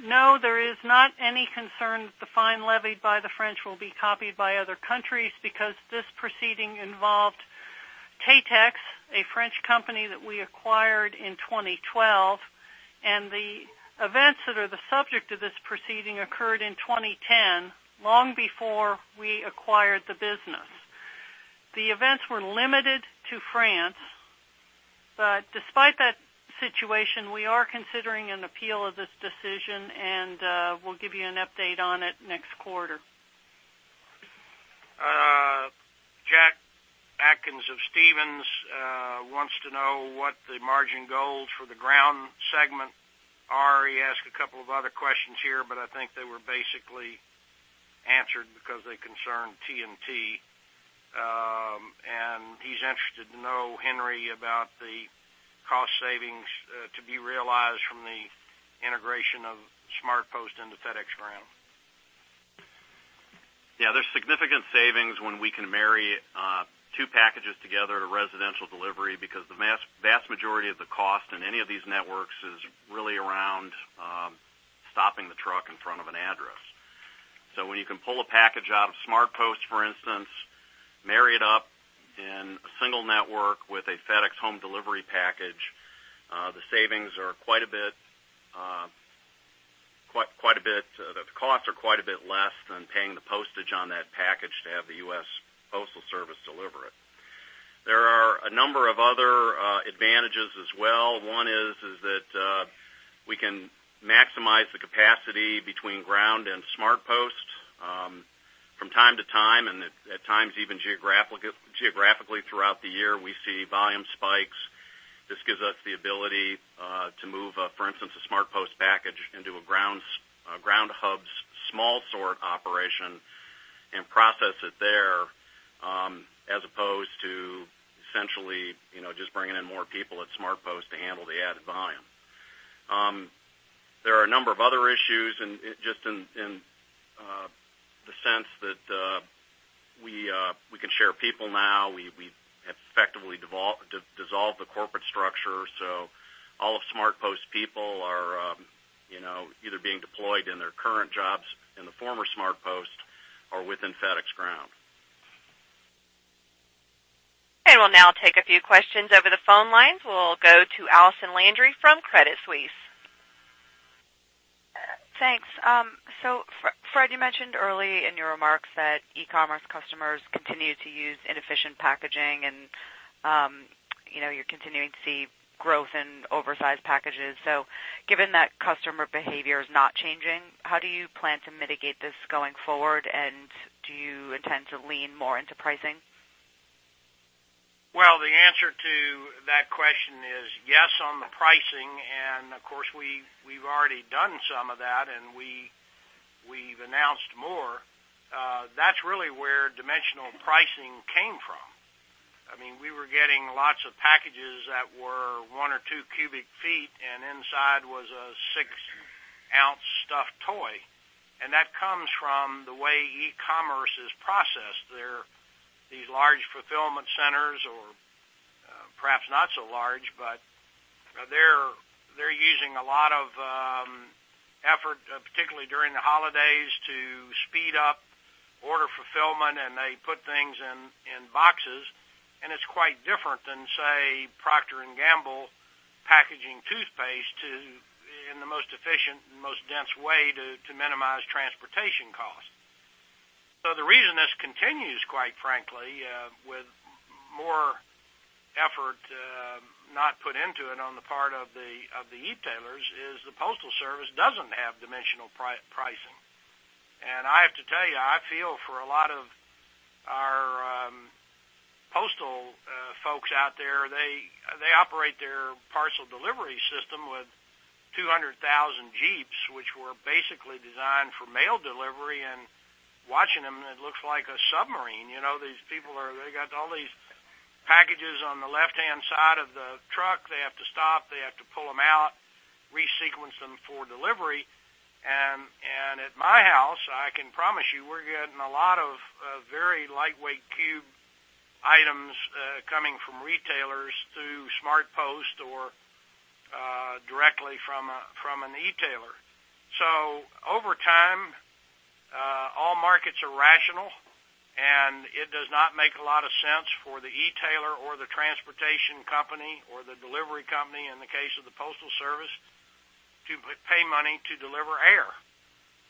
No, there is not any concern that the fine levied by the French will be copied by other countries because this proceeding involved TATEX, a French company that we acquired in 2012 and the events that are the subject of this proceeding occurred in 2010 long before we acquired the business. The events were limited to France, but despite that situation, we are considering an appeal of this decision and we'll give you an update on it next quarter. Jack Atkins of Stephens wants to know what the margin goals for the ground segment are. He asked a couple of other questions here, but I think they were basically answered because they concern TNT and he's interested to know, Henry, about the cost savings to be realized from the integration of SmartPost into FedEx Ground. Yeah, there's significant savings when we can marry two packages together to residential delivery. Because the vast majority of the cost in any of these networks is really around stopping the truck in front of an address. So when you can pull a package out of SmartPost, for instance, marry it up in a single network with a FedEx Home Delivery package, the savings are quite a bit. Quite a bit. The costs are quite a bit less than paying the postage on that package to have the U.S. Postal Service deliver it. There are a number of other advantages as well. One is that we can maximize the capacity between ground and SmartPost from time to time and at times even geographically throughout the year we see volume spikes. This gives us the ability to move, for instance, a SmartPost package into a Ground hub's small sort operation and process it there as opposed to essentially just bringing in more people at SmartPost to handle the added volume. There are a number of other issues just in the sense that we can share people. Now we effectively dissolved the corporate structure. So all of SmartPost's people are either being deployed in their current jobs in the former SmartPost or within FedEx Ground. We'll now take a few questions over the phone lines. We'll go to Allison Landry from Credit Suisse. Thanks. So, Fred, you mentioned early in your remarks that e-commerce customers continue to use inefficient packaging and you're continuing to see growth in oversized packages. Given that customer behavior is not changing, how do you plan to mitigate this going forward and do you intend to lean more into pricing? Well, the answer to that question is yes on the pricing. And of course we've already done some of that and we've announced more. That's really where dimensional pricing came from. I mean, we were getting lots of packages that were 1 or 2 cubic feet and inside was a 6-ounce stuffed toy. And that comes from the way e-commerce is processed. These large fulfillment centers, or perhaps not so large, but they're using a lot of effort, particularly during the holidays, to speed up order fulfillment. And they put things in boxes and it's quite different than say Procter & Gamble packaging toothpaste in the most efficient and most dense way to minimize transportation costs. So the reason this continues, quite frankly with more effort not put into it on the part of the e-tailers is the postal service doesn't have dimensional pricing. And I have to tell you, I feel for a lot of our postal folks out there. They operate their parcel delivery system with 200,000 jeeps which were basically designed for mail delivery and watching them, it looks like a submarine. You know these people are, they got all these packages on the left-hand side of the truck, they have to stop, they have to pull them out, resequence them for delivery. And at my house I can promise you we're getting a lot of very lightweight cube items coming from retailers through SmartPost or directly from an e-tailer. So over time all markets are rational and it does not make a lot of sense for the e-tailer or the transportation company or the delivery company and in the case of the postal service to pay money to deliver air.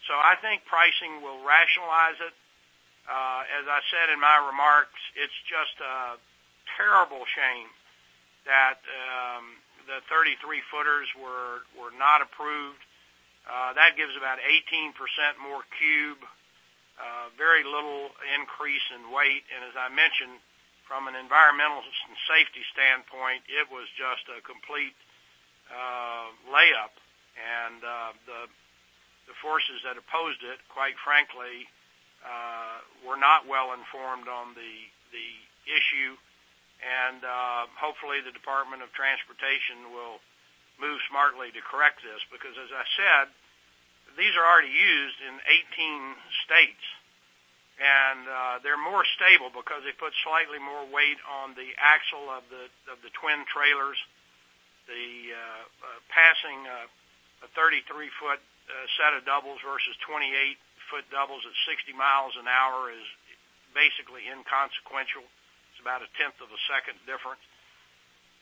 So I think pricing will rationalize it. As I said in my remarks, it's just a terrible shame that the 33-footers were not approved. That gives about 18% more cube, very little increase in weight. As I mentioned from an environmental and safety standpoint it was just a complete layup. The forces that opposed it quite frankly were not well informed on the issue. Hopefully the Department of Transportation will move smartly to correct this because as I said, these are already used in 18 states and they're more stable because they put slightly more weight on the axle of the twin trailers. Passing a 33-foot set of doubles versus 28-foot doubles at 60 miles an hour is basically inconsequential. It's about a tenth of a second difference.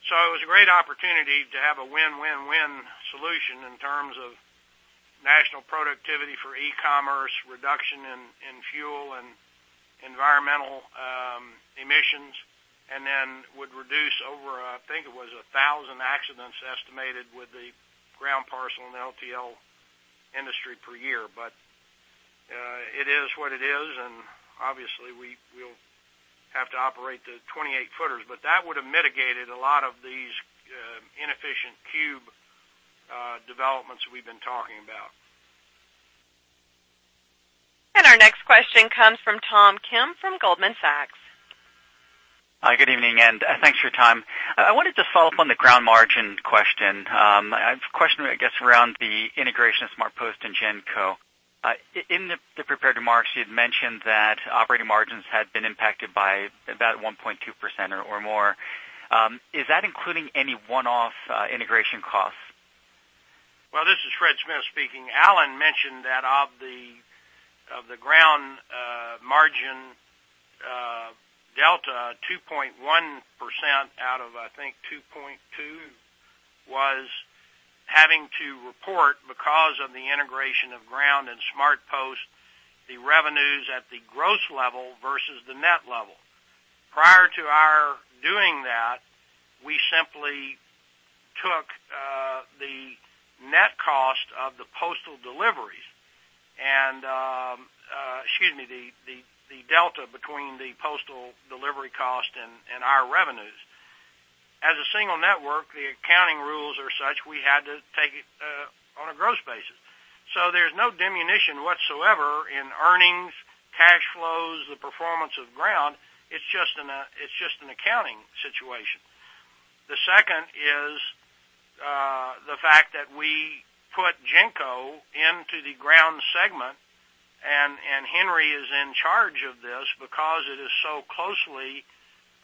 So it was a great opportunity to have a win, win, win solution in terms of national productivity for e-commerce, reduction in fuel and environmental emissions, and then would reduce over, I think it was 1,000 accidents estimated with the ground parcel and LTL industry per year. But it is what it is, and obviously we have to operate the 28-footers, but that would have mitigated a lot of these inefficient cube developments we've been talking about. Our next question comes from Tom Kim from Goldman Sachs. Hi, good evening and thanks for your time. I wanted to follow up on the ground margin question. I have a question, I guess around. The integration of SmartPost and GENCO in the prepared remarks you mentioned that operating. Margins had been impacted by about 1.2% or more. Is that including any one-off integration costs? Well, this is Fred Smith speaking. Alan mentioned that of the ground margin delta, 2.1% out of, I think 2.2 was having to report because of the integration of ground and SmartPost the revenues at the gross level versus the net level. Prior to our doing that we simply took the net cost of the postal deliveries and excuse me, the delta between the postal delivery cost and our revenues as a single network. The accounting rules are such we had to take it on a gross basis. So there's no diminution whatsoever in earnings, cash flows, the performance of ground. It's just an accounting situation. The second is the fact that we put GENCO into the Ground segment and Henry is in charge of this because it is so closely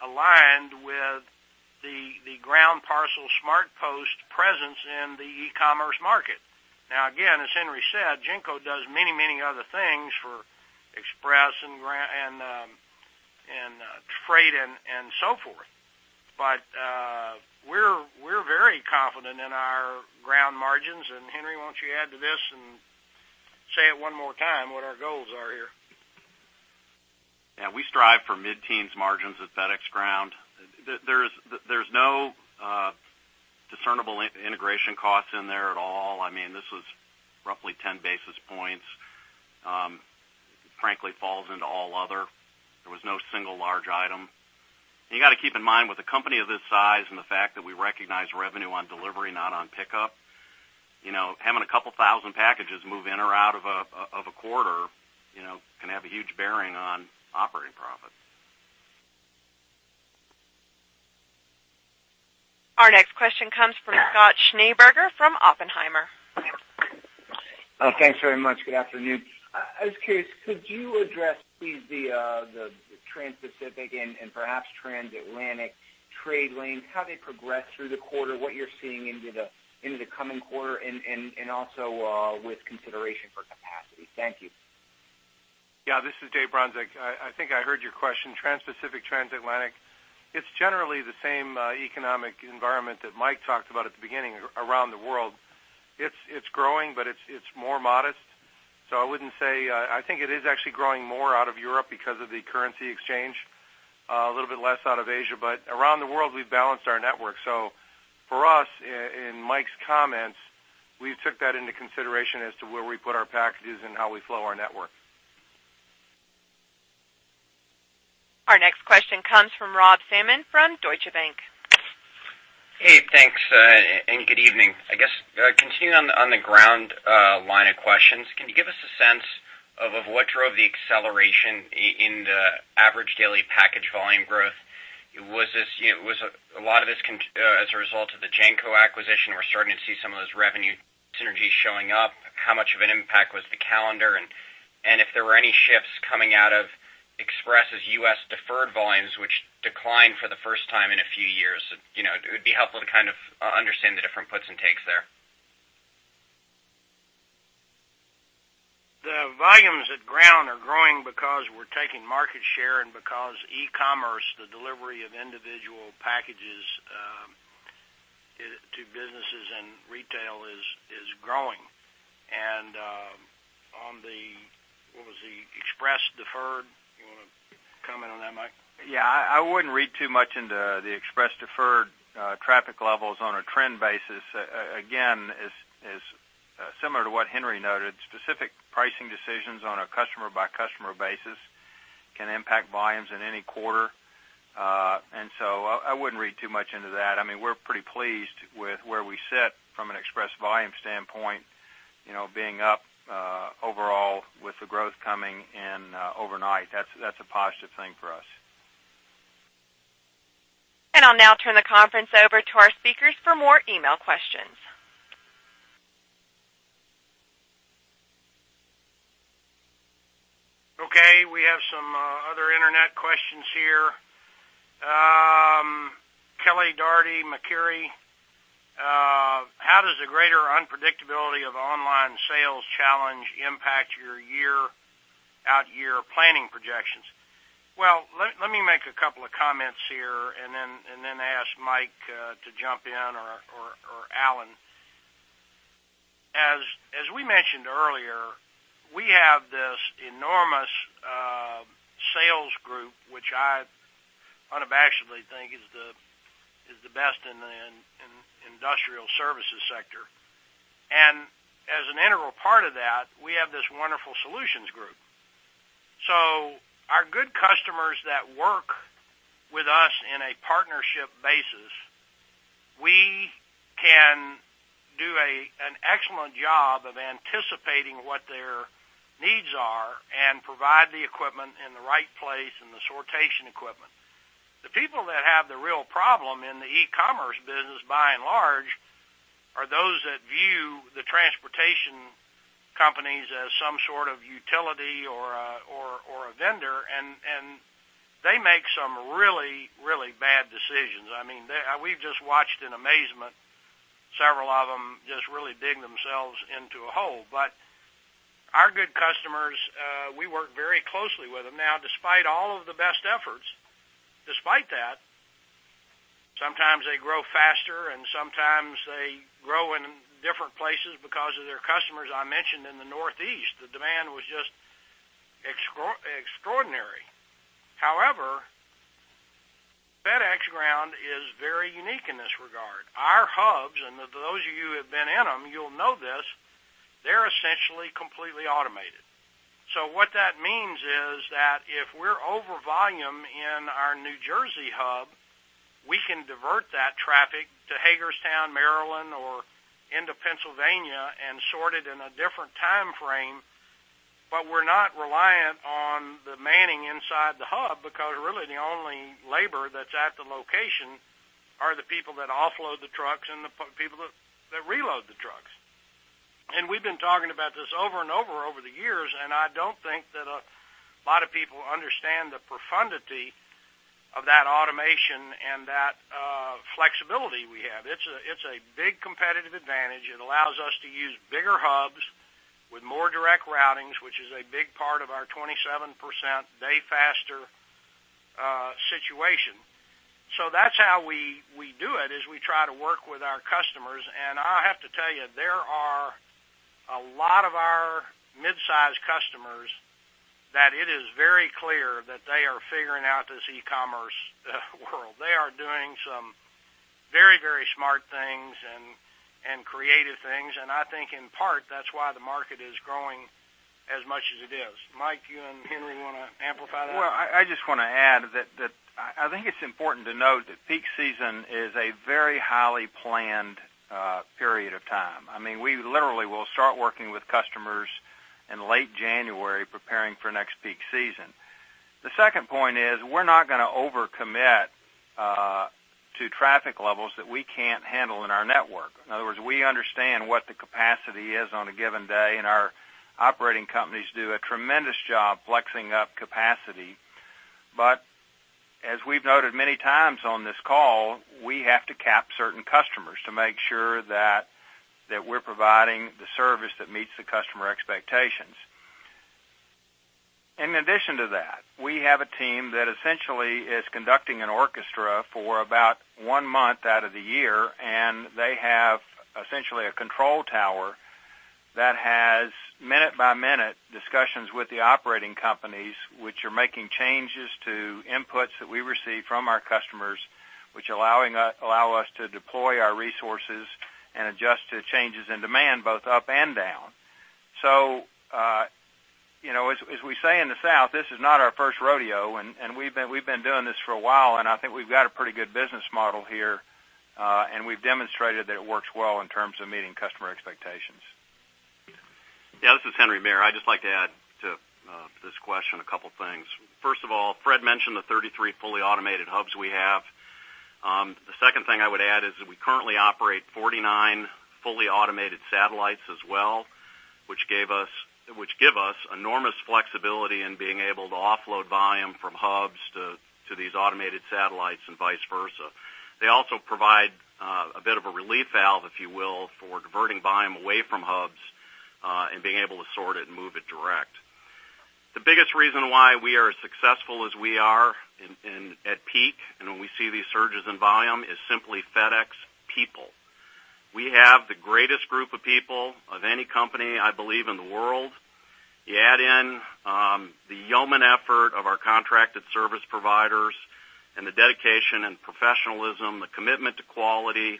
aligned with the ground parcel SmartPost presence in the e-commerce market. Now again, as Henry said, GENCO does many, many other things for Express and Freight and so forth, but we're very confident in our Ground margins. And Henry, won't you add to this and say it one more time what our goals are here? We strive for mid-teens margins at FedEx Ground. There's no discernible integration costs in there at all. I mean this was roughly 10 basis points, frankly, falls into all other. There was no single large item. You got to keep in mind with a company of this size and the fact that we recognize revenue on delivery, not on pickup, you know, having 2,000 packages move in or out of a quarter, you know, can have a huge bearing on operating profit. Our next question comes from Scott Schneeberger from Oppenheimer. Thanks very much. Good afternoon. I was curious, could you address please the trans-Pacific and perhaps transatlantic trade lanes, how they progress through the quarter, what you're seeing into the coming quarter, and also with consideration for capacity? Thank you. Yeah, this is Dave Bronczek. I think I heard your question. Trans Pacific, Transatlantic. It's generally the same economic environment that Mike talked about at the beginning. Around the world it's growing, but it's more modest. So I wouldn't say, I think it is actually growing more out of Europe because of the currency exchange, a little bit less out of Asia. But around the world we've balanced our network. So for us, in Mike's comments, we took that into consideration as to where we put our packages and how we flow our network. Our next question comes from Rob Salmon from Deutsche Bank. Hey, thanks and good evening. I guess continuing on the ground line of questions, can you give us a sense of what drove the acceleration in the average daily package volume growth? Was this a lot of this as a result of the GENCO acquisition? We're starting to see some of those revenue synergies showing up. How much of an impact was the calendar? And if there were any shifts coming out of Express's U.S. deferred volumes, which declined for the first time in a few years, it would be helpful to kind of understand the different puts and takes there. The volumes at ground are growing because we're taking market share and because e-commerce, the delivery of individual packages to businesses and retail is growing. And on the what was the express deferred? You want to comment on that? Mike? Yeah, I wouldn't read too much into the express deferred traffic levels on a trend basis. Again, similar to what Henry noted, specifically pricing decisions on a customer-by-customer basis can impact volumes in any quarter. And so I wouldn't read too much into that. I mean, we're pretty pleased with where we sit from an express volume standpoint, being up overall with the growth coming in overnight. That's a positive thing for us. I'll now turn the conference over to our speakers for more email questions. Okay, we have some other Internet questions here. Kelly Dougherty, Macquarie, how does the greater unpredictability of online sales challenge impact your year-out-year planning projections? Well, let me make a couple of comments here and then, and then ask Mike to jump in or Alan. As we mentioned earlier, we have this enormous sales group which I unabashedly think is the best in the industrial services sector. And as an integral part of that, we have this wonderful solutions group. So our good customers that work with us in a partnership basis, we can do an excellent job of anticipating what their needs are and provide the equipment in the right place and the sortation equipment. The people that have the real problem in the e-commerce business by and large are those that view the transportation equipment companies as some sort of utility or a vendor and they make some really, really bad decisions. I mean we've just watched in amazement, several of them just really dig themselves into a hole. But our good customers, we work very closely with them now, despite all of the best efforts, despite that sometimes they grow faster and sometimes they grow in different places because of their customers. I mentioned in the Northeast the demand was just extraordinary. However, FedEx Ground is very unique in this regard. Our hubs and those of you who have been in them, you'll know this, they're essentially completely automated. So what that means is that if we're over volume in our New Jersey hub, we can divert that traffic to Hagerstown, Maryland or into Pennsylvania and sort it in a different time frame. But we're not reliant on the manning inside the hub because really the only labor that's at the location are the people that offload the trucks and the. People that reload the trucks. And we've been talking about this over and over over the years and I don't think that a lot of people understand the profundity of that automation and that flexibility we have. It's a big competitive advantage. It allows us to use bigger hubs with more direct routings, which is a big part of our 27% day faster situation. So that's how we do it, is we try to work with our customers. And I have to tell you, there are a lot of our mid-sized customers that it is very clear that they are figuring out this e-commerce world. They are doing some very, very smart things and creative things. And I think in part that's why the market is growing as much as it is. Mike, you and Henry want to amplify that? Well, I just want to add that I think it's important to note that peak season is a very highly planned, planned period of time. I mean, we literally will start working with customers in late January preparing for next peak season. The second point is we're not going to over commit to traffic levels that we can't handle in our network. In other words, we understand what the capacity is on a given day and our operating companies do a tremendous job flexing up capacity. But as we've noted many times on this call, we have to cap certain customers to make sure that we're providing the service that meets the customer expectations. In addition to that, we have a team that essentially is conducting an orchestra for about one month out of the year. They have essentially a control tower that has minute-by-minute discussions with the operating companies which are making changes to inputs that we receive from our customers which allow us to deploy our resources and adjust to changes in demand both up and down. You know, as we say in the South, this is not our first rodeo and we've been doing this for a while and I think we've got a pretty good business model here and we've demonstrated that it works well in terms of meeting customer expectations. Yeah, this is Henry Maier. I'd just like to add to this question a couple things. First of all, Fred mentioned the 33 fully automated hubs we have. The second thing I would add is that we currently operate 49 fully automated satellites as well, which give us enormous flexibility in being able to offload volume from hubs to these automated satellites and vice versa. They also provide a bit of a relief valve, if you will, for diverting volume away from hubs and being able to sort it and move it direct. The biggest reason why we are as successful as we are at peak and when we see these surges in volume is simply FedEx People. We have the greatest group of people of any company I believe in the world. You add in the yeoman effort of our contracted service providers and the dedication and professionalism, the commitment to quality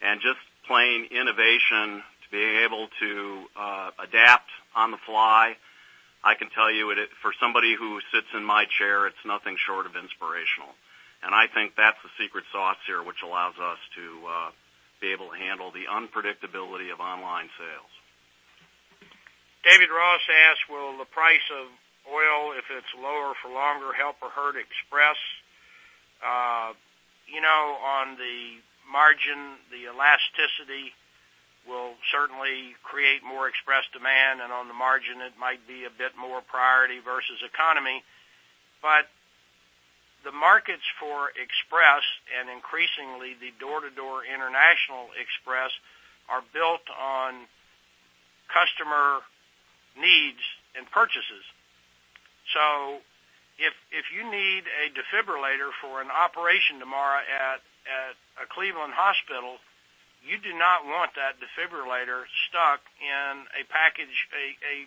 and just plain innovation to be able to adapt on the fly. I can tell you for somebody who sits in my chair, it's nothing short of inspirational. I think that's the secret sauce here which allows us to be able to handle the unpredictability of online sales. David Ross asks, will the price of oil, if it's lower for longer, help or hurt Express? You know, on the margin the elasticity will certainly create more express demand. On the margin it might be a bit more priority versus economy. But the markets for Express and increasingly the door-to-door International Express are built on customer needs and purchases. So if you need a defibrillator for an operation tomorrow at a Cleveland hospital, you do not want that defibrillator stuck in a package, a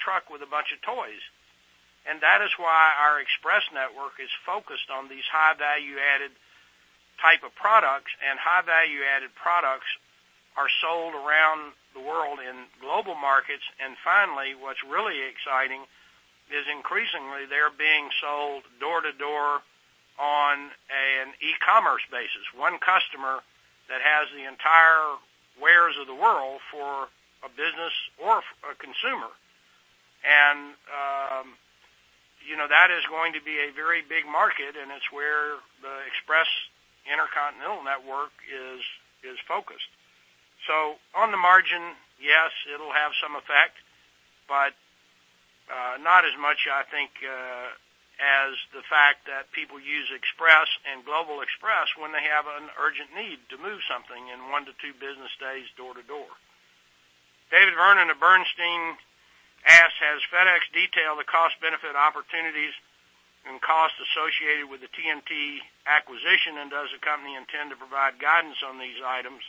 truck with a bunch of toys. That is why our Express Network is focused on these high-value-added type of products. High-value-added products are sold around the world in global markets. Finally what's really exciting is increasingly they're being sold door-to-door on an e-commerce basis. One customer that has the entire wares of the world for a business or a consumer and you know that is going to be a very big market and it's where the Express Intercontinental Network is focused. So on the margin, yes, it'll have some effect, but not as much I think as the fact that people use Express and Global Express when they have an urgent need to move something in one to two business days door to door. David Vernon of Bernstein asks, has FedEx detailed the cost benefit opportunities and costs associated with the TNT acquisition and does the company intend to provide guidance on these items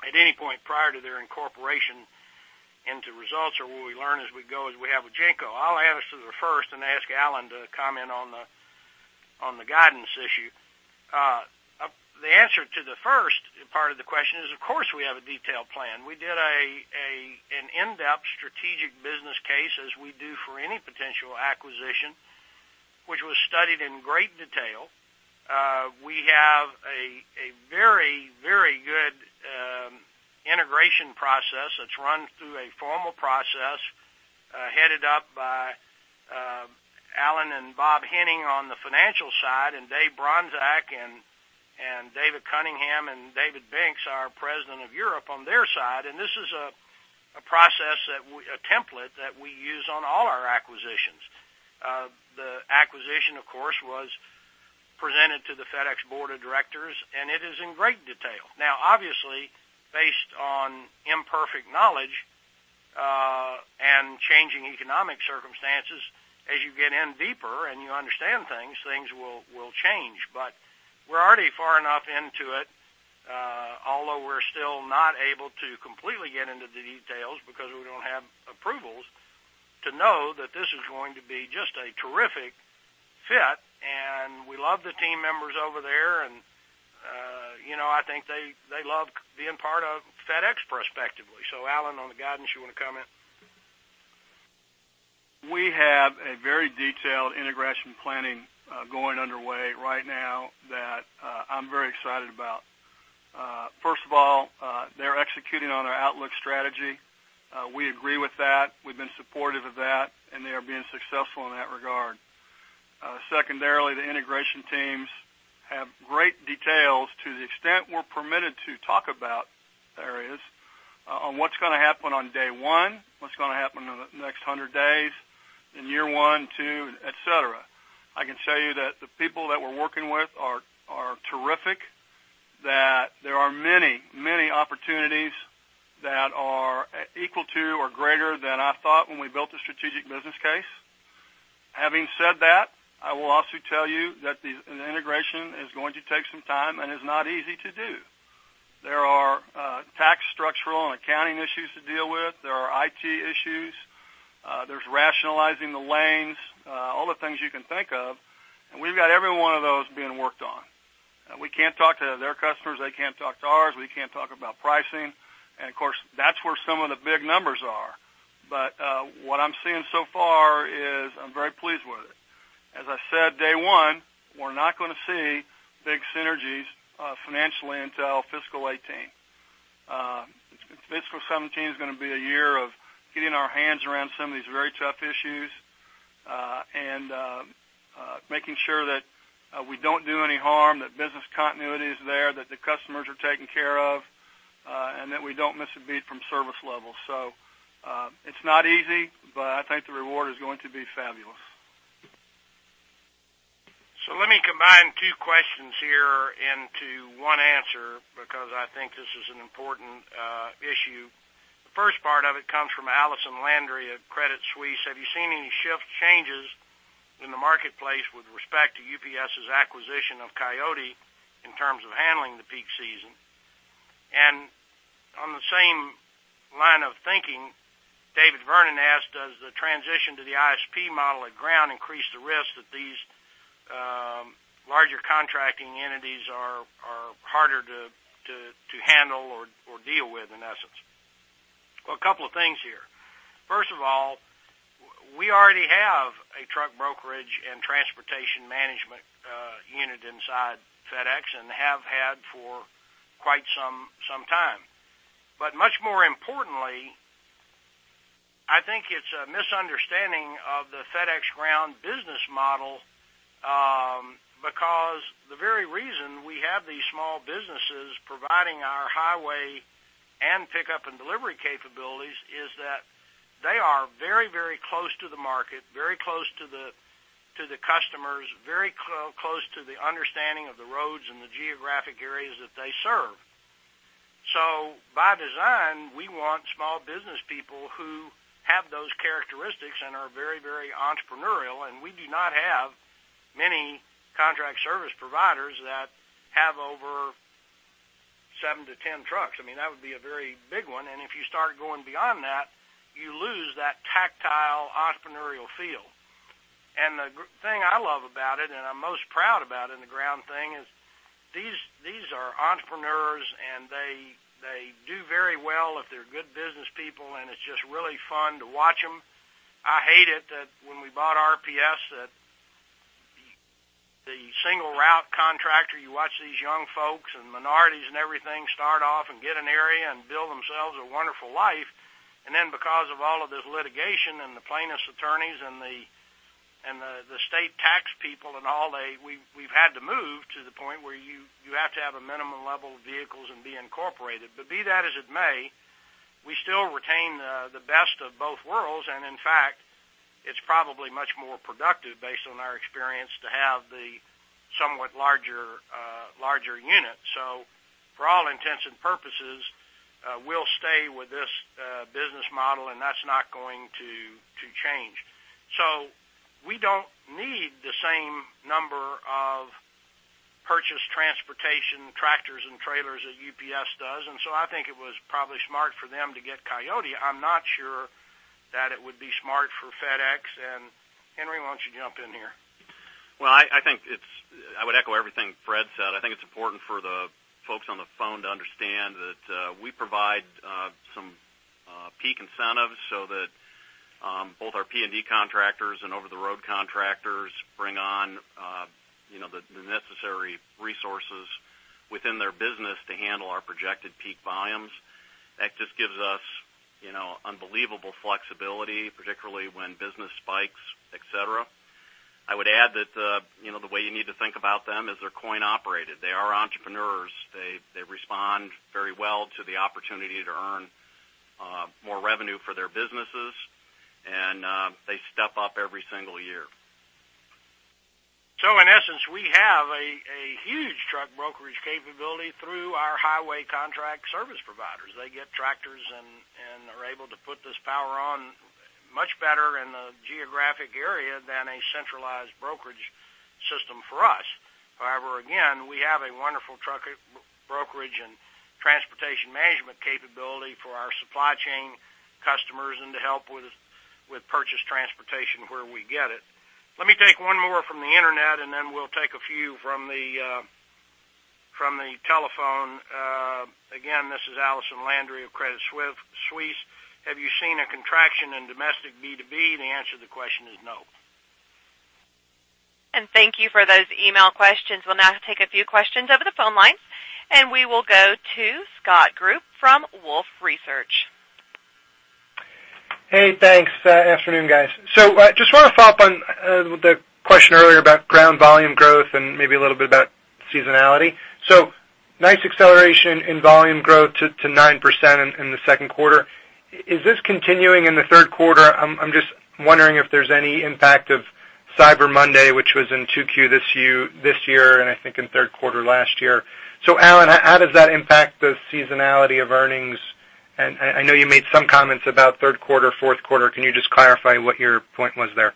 at any point prior to their incorporation into results or will we learn as we go as we have with Genco? I'll answer the first and ask Alan to comment on the guidance issue. The answer to the first part of the question is of course we have a detailed plan. We did an in-depth strategic business case as we do for any particular potential acquisition which was studied in great detail. We have a very, very good integration process that's run through a formal process headed up by Alan and Bob Henning on the financial side and Dave Bronczek and David Cunningham and David Binks, our President of Europe on their side. This is a process, a template that we use on all our acquisitions. The acquisition of course was presented to the FedEx board of directors, and it is in great detail now, obviously based on imperfect knowledge and changing economic circumstances. As you get in deeper and you understand things, things will change. But we're already far enough into it, although we're still not able to completely get into the details because we don't have approvals to know that this is going to be just a terrific fit. And we love the team members over there and, you know, I think they love being part of FedEx prospectively. So, Alan, on the guidance you want to comment. We have a very detailed integration planning going under way right now that I'm very excited about. First of all, they're executing on their Outlook strategy. We agree with that. We've been supportive of that, and they are being successful in that regard. Secondarily, the integration teams have great details, to the extent we're permitted to talk about areas on what's going to happen on day one, what's going to happen in the next 100 days in year 1, 2, et cetera. I can tell you that the people that we're working with are terrific, that there are many, many opportunities that are equal to or greater than I thought when we built the strategic business case. Having said that, I will also tell you that the integration is going to take some time and is not easy to do. There are tax, structural and accounting issues to deal with. There are IT issues. There's rationalizing the lanes, all the things you can think of, and we've got every one of those being worked on. We can't talk to their customers; they can't talk to ours. We can't talk about pricing. And of course, that's where some of the big numbers are. But what I'm seeing so far is I'm very pleased with it. As I said, day one, we're not going to see big synergies financially until fiscal 2018. Fiscal 2017 is going to be a year of getting our hands around some of these very tough issues and making sure that we don't do any harm, that business continuity is there, that the customers are taken care of, and that we don't miss a beat from service level. So it's not easy, but I think the reward is going to be fabulous. So let me combine two questions here into one answer, because I think this is an important issue. The first part of it comes from Allison Landry of Credit Suisse. Have you seen any shift changes in the marketplace with respect to UPS's acquisition of Coyote in terms of handling the peak season? And on the same line of thinking, David Vernon asked does the transition to the ISP model at Ground increase the risk that these larger contracting entities are harder to handle or deal with? In essence, a couple of things here. First of all, we already have a truck brokerage and transportation management unit inside FedEx and have had for quite some time. But much more importantly, I think it's a misunderstanding of the FedEx Ground business. Model. Because the very reason we have these small businesses providing our highway and pickup and delivery capabilities is that they are very, very close to the market, very close to the customers, very close to the understanding of the roads and the geographic areas that they serve. So by design, we want small business people who have those characteristics and are very, very entrepreneurial. And we do not have many contract service providers that have over 7-10 trucks. I mean, that would be a very big one. And if you start going beyond that, you lose that tactile entrepreneurial feel. And the thing I love about it, and I'm most proud about in the ground thing is these are entrepreneurs and they do very well if they're good business people. And it's just really fun to watch them. I hate it that when we bought RPS that the single route contractor, you watch these young folks and minorities and everything start off and get an area and build themselves a wonderful life. And then because of all of this litigation and the plaintiffs attorneys and the state tax people and all they, we've had to move to the point where you have to have a minimum level of vehicles and be incorporated. But be that as it may, we still retain the best of both worlds. And in fact, it's probably much more productive, based on our experience, to have the somewhat larger unit. So for all intents and purposes, we'll stay with this business model and that's not going to change. So we don't need the same number of purchased transportation tractors and trailers that UPS does. And so I think it was probably smart for them to get Coyote. I'm not sure that it would be smart for FedEx, and Henry, why don't you jump in here? Well, I would echo everything Fred said. I think it's important for the folks on the phone to understand that we provide some peak incentives so that both our P and D contractors and over the road contractors bring on the necessary resources within their business to handle our projected peak volumes. That just gives us unbelievable flexibility, particularly when business spikes, et cetera. I would add that the way you need to think about them is they're coin operated, they are entrepreneurs, they respond very well to the opportunity to earn more revenue for their businesses and they step up every single year. So in essence we have a huge truck brokerage capability through our highway contract service providers. They get tractors and are able to put this power on much better in the geographic area than a centralized brokerage system for us. However, again, we have a wonderful truck brokerage and transportation management capability for our supply chain customers and to help with purchase transportation where we get it. Let me take one more from the internet and then we'll take a few from the telephone. Again, this is Allison Landry of Credit Suisse. Have you seen a contraction in domestic B2B? The answer to the question is no. Thank you for those email questions. We'll now take a few questions over the phone line and we will go to Scott Group from Wolfe Research. Hey, thanks. Afternoon guys. So I just want to follow up on the question earlier about ground volume growth and maybe a little bit about seasonality. So nice acceleration in volume growth to. 9% in the second quarter. Is this continuing in the third quarter? I'm just wondering if there's any impact. Of Cyber Monday, which was in 2Q. This year and I think in third quarter last year. Alan, how does that impact the seasonality of earnings? I know you made some comments. About third quarter, fourth quarter. Can you just clarify what your point was there?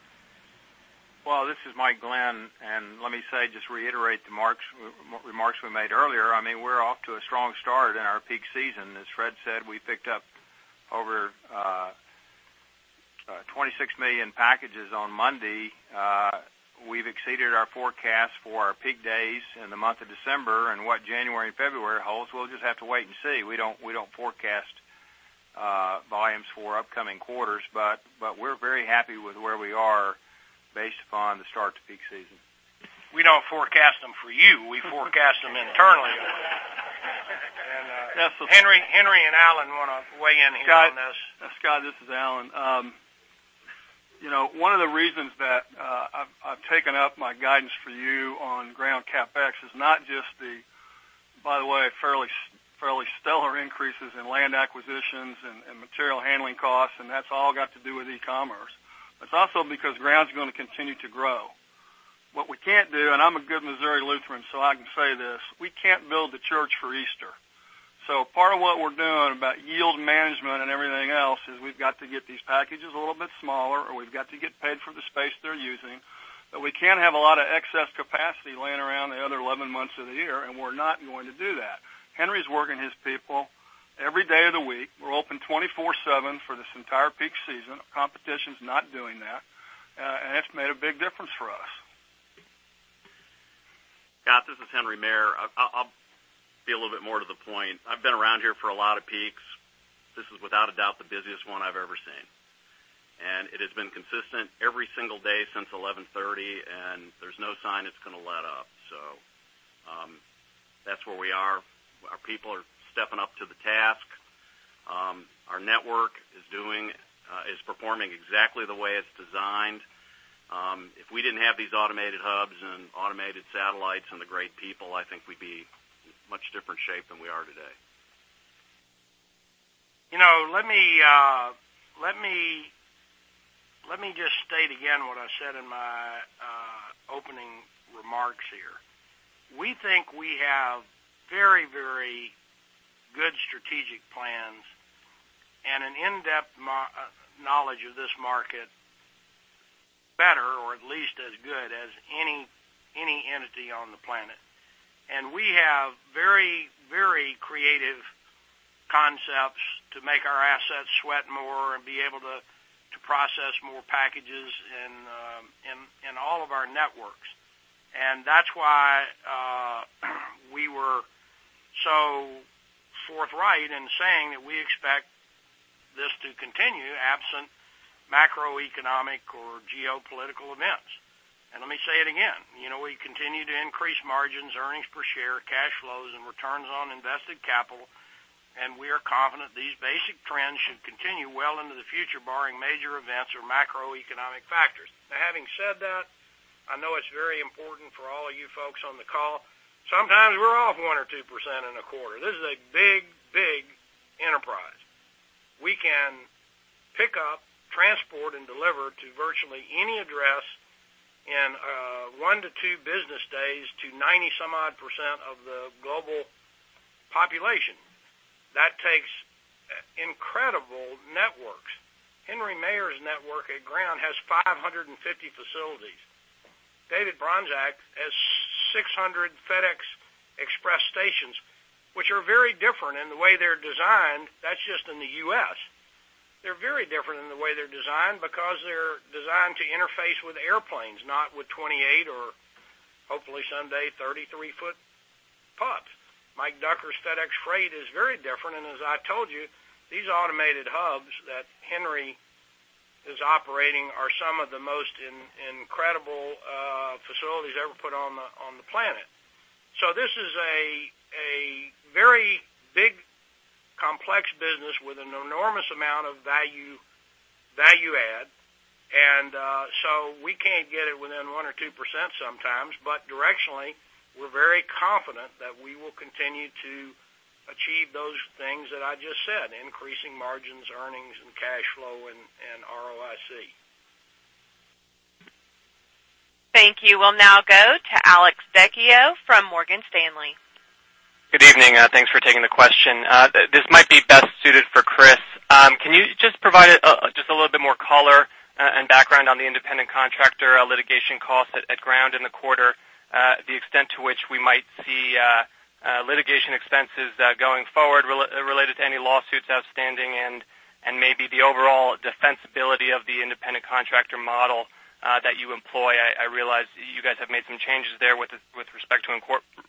Well, this is Mike Glenn and let me say just reiterate the remarks we made earlier. I mean, we're off to a strong start in our peak season. As Fred said, we picked up over 26 million packages on Monday. We've exceeded our forecast for our peak days in the month of December and what January and February holds, we'll just have to wait and see. We don't forecast volumes for upcoming quarters, but we're very happy with where we are based upon the start to peak season. We don't forecast them for you, we forecast them internally. Henry and Alan want to weigh in here on this. Scott, this is Alan. You know, one of the reasons that I've taken up my guidance for you on ground CapEx is not just the, by the way, fairly stellar increases in land acquisitions and material handling costs. And that's all got to do with e-commerce. It's also because ground's going to continue to grow. What we can't do, and I'm a good Missouri Lutheran, so I can say this, we can't build the church for Easter. So part of what we're doing about yield management and everything else is we've got to get these packages a little bit smaller or we've got to get paid for the space they're using. But we can't have a lot of excess capacity laying around the other 11 months of the year. And we're not going to do that. Henry's working his people every day of the week. We're open 24/7 for this entire peak season. Competition is not doing that and it's made a big difference for us. Scott, this is Henry Maier. I'll be a little bit more to the point. I've been around here for a lot of peaks. This is without a doubt the busiest one I've ever seen. It has been consistent every single day since 11/30. There's no sign it's going to let up. That's where we are. Our people are stepping up to the task. Our network is performing exactly the way it's designed. If we didn't have these automated hubs and automated satellites and the great people, I think we'd be much different shape than we are today. You know, let me just state again what I said in my opening remarks here. We think we have very, very good strategic plans and an in-depth knowledge of this market better or at least as good as any entity on the planet. And we have very, very creative concepts to make our assets sweat more and be able to process more packages in all of our networks. And that's why we were so forthright in saying that we expect this to continue absent macroeconomic or geopolitical events. And let me say it again. You know, we continue to increase margins, Earnings Per Share, cash flows and Return on Invested Capital. And we are confident these basic trends should continue well into the future, barring major events or macroeconomic factors. Having said that, I know it's very important for all of you folks on the call. Sometimes we're off 1% or 2% in a quarter. This is a big, big enterprise. We can pick up, transport and deliver to virtually any address in one to two business days to 90-some-odd% of the global population. That takes incredible networks. Henry Maier's network at Ground has 550 facilities. David Bronczek has 600 FedEx Express stations which are very different in the way they're designed. That's just in the U.S. they're very different in the way they're designed because they're designed to interface with airplanes, not with 28- or hopefully someday 33-foot trucks. Mike Ducker's FedEx Freight is very different. And as I told you, these automated hubs that Henry is operating are some of the most incredible facilities ever put on the planet. So this is a very big, complex business with an enormous amount of value add. And so we can't get it within 1% or 2% sometimes, but directionally we're very confident that we will continue to achieve those things that I just said, increasing margins, earnings and cash flow and ROIC. Thank you. We'll now go to Alex Vecchio from Morgan Stanley. Good evening. Thanks for taking the question. This might. Be best suited for. Chris, can you just provide just a little bit more color and background on the independent contractor litigation cost at Ground? In the quarter, the extent to which we might see litigation expenses going forward related to any lawsuits outstanding, and maybe the overall defensibility of the independent contractor model that you employ. I realize you guys have made some. Changes there with respect to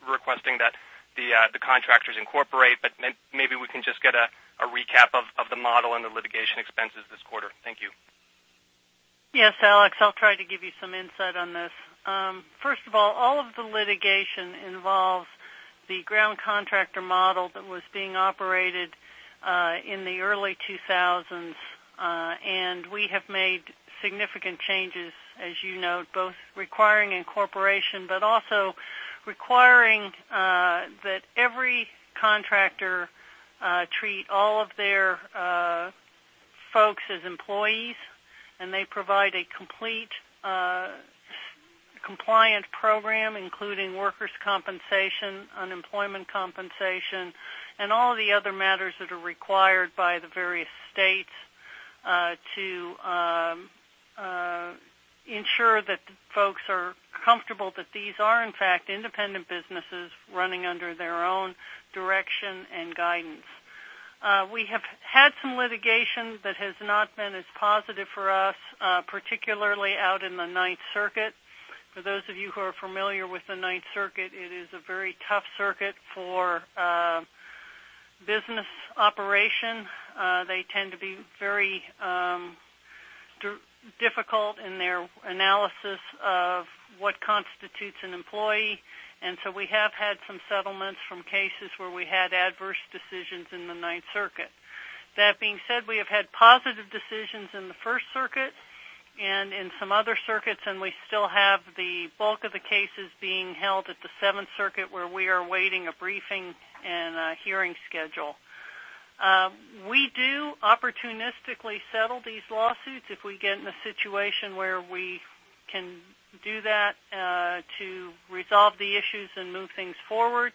requesting that. The contractors incorporate, but maybe we can. Just get a recap of the model. And the litigation expenses this quarter? Thank you. Yes, Alex, I'll try to give you some insight on this. First of all, all of the litigation involves the ground contractor model that was being operated in the early 2000s. We have made significant changes, as you note, both requiring incorporation, but also requiring that every contractor treat all of their folks as employees and they provide a complete compliant program, including workers compensation, unemployment compensation, and all the other matters that are required by the various states to ensure that folks are comfortable that these are in fact, independent businesses running under their own direction and guidance. We have had some litigation that has not been as positive for us, particularly out in the 9th Circuit. For those of you who are familiar with the Ninth Circuit, it is a very tough circuit for business operation. They tend to be very difficult in their analysis of what constitutes. So we have had some settlements from cases where we had adverse decisions in the Ninth Circuit. That being said, we have had positive decisions in the First Circuit and in some other circuits, and we still have the bulk of the cases being held at the Seventh Circuit, where we are awaiting a briefing and hearing schedule. We do opportunistically settle these lawsuits if we get in a situation where we can do that. To resolve the issues and move things forward,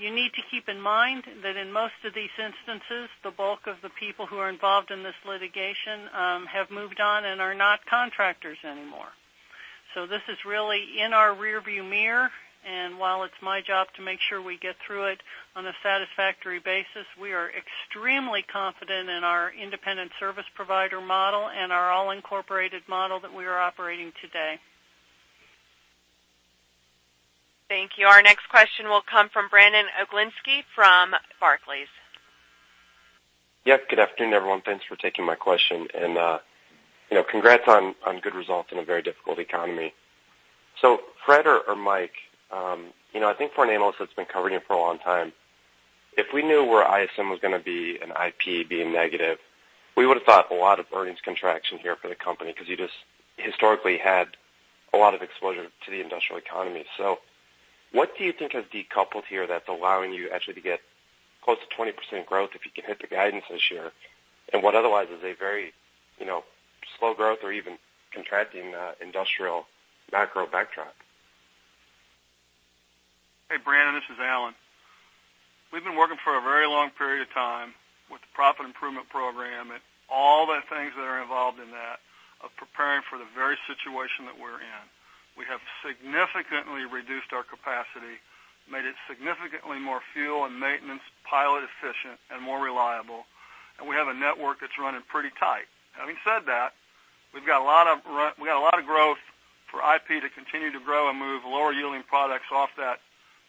you need to keep in mind that in most of these instances, the bulk of the people who are involved in this litigation have moved on and are not contractors anymore. This is really in our rear view mirror. While it's my job to make sure we get through it on a satisfactory basis, we are extremely confident in our independent service provider model and our fully incorporated model that we are operating today. Thank you. Our next question will come from Brandon Oglenski from Barclays. Yes, good afternoon everyone. Thanks for taking my question and congrats on good results in a very difficult economy. So Fred or Mike, I think for an analyst that's been covering it for a long time, if we knew where ISM was going to be and IP being negative, we would have thought a lot of earnings contraction here for the company because you just historically had a lot of exposure to the industrial economy. So what do you think has decoupled here that's allowing you actually to get close to 20% growth if you can hit the guidance this year and what otherwise is a very slow growth or even contracting industrial macro backdrop? Hey Brandon, this is Alan. We've been working for a very long period of time with the Profit Improvement Program and all the things that are involved in that of preparing for the very situation that we're in. We have significantly reduced our capacity, made it significantly more fuel and maintenance pilot efficient and more reliable and we have a network that's running pretty tight. Having said that, we've got a lot of growth for IP to continue to grow and move lower yielding products off that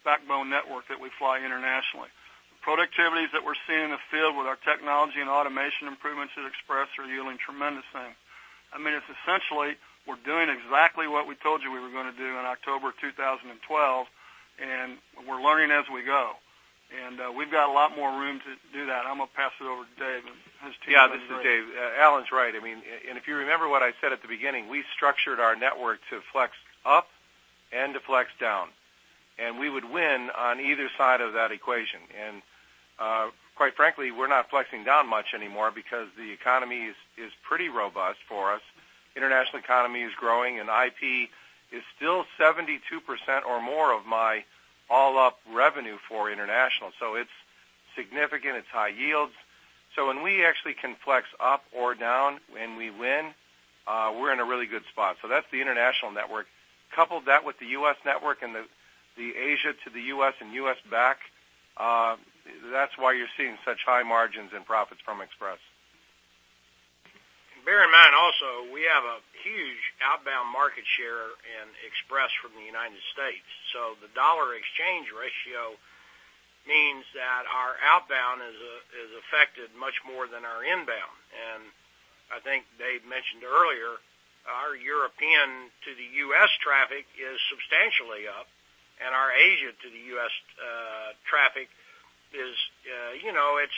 backbone network that we fly internationally. The productivities that we're seeing in the field with our technology and automation improvements at Express are yielding tremendous things. I mean it's essentially we're doing exactly what we told you we were going to do in October 2012 and we're learning as we go and we've got a lot more room to do that. I'm going to pass it over to Dave. Yeah, this is Dave. Alan's right. I mean, if you remember what I said at the beginning, we structured our network to flex up and to flex down and we would win on either side of that equation. Quite frankly, we're not flexing down much anymore because the economy is pretty robust for us. International economy is growing and IP is still 72% or more of my all up revenue for international. So it's significant, it's high yields. So when we actually can flex up or down when we win, we're in a really good spot. So that's the international network. Couple that with the U.S. network and the Asia to the U.S. and U.S. back. That's why you're seeing such high margins in profits from Express. Bear in mind also we have a huge outbound market share in Express from the United States. So the dollar exchange ratio means that our outbound is affected much more than our inbound and I think Dave mentioned earlier, our European to the U.S. traffic is substantially up and our Asia to the U.S. traffic is, you know, it's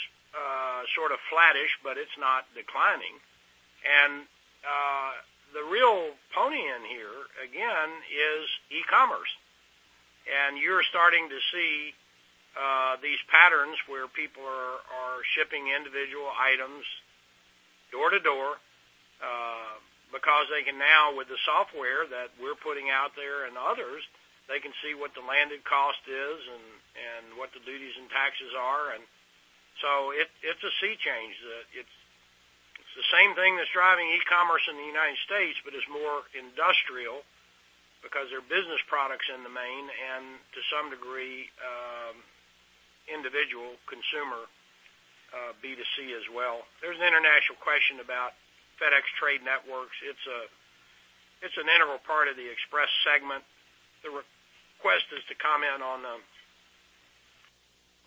sort of flattish, but it's not declining. And the real pony in here again is e-commerce. And you're starting to see these patterns where people are shipping individual items door-to-door because they can now with the software that we're putting out there and others, they can see what the landed cost is and what the duties and taxes are. So it's a sea change. The same thing that's driving e-commerce in the United States, but it's more industrial because there are business products in the main and to some degree individual consumer B2C as well. There's an international question about FedEx Trade Networks. It's an integral part of the Express segment. The request is to comment on them,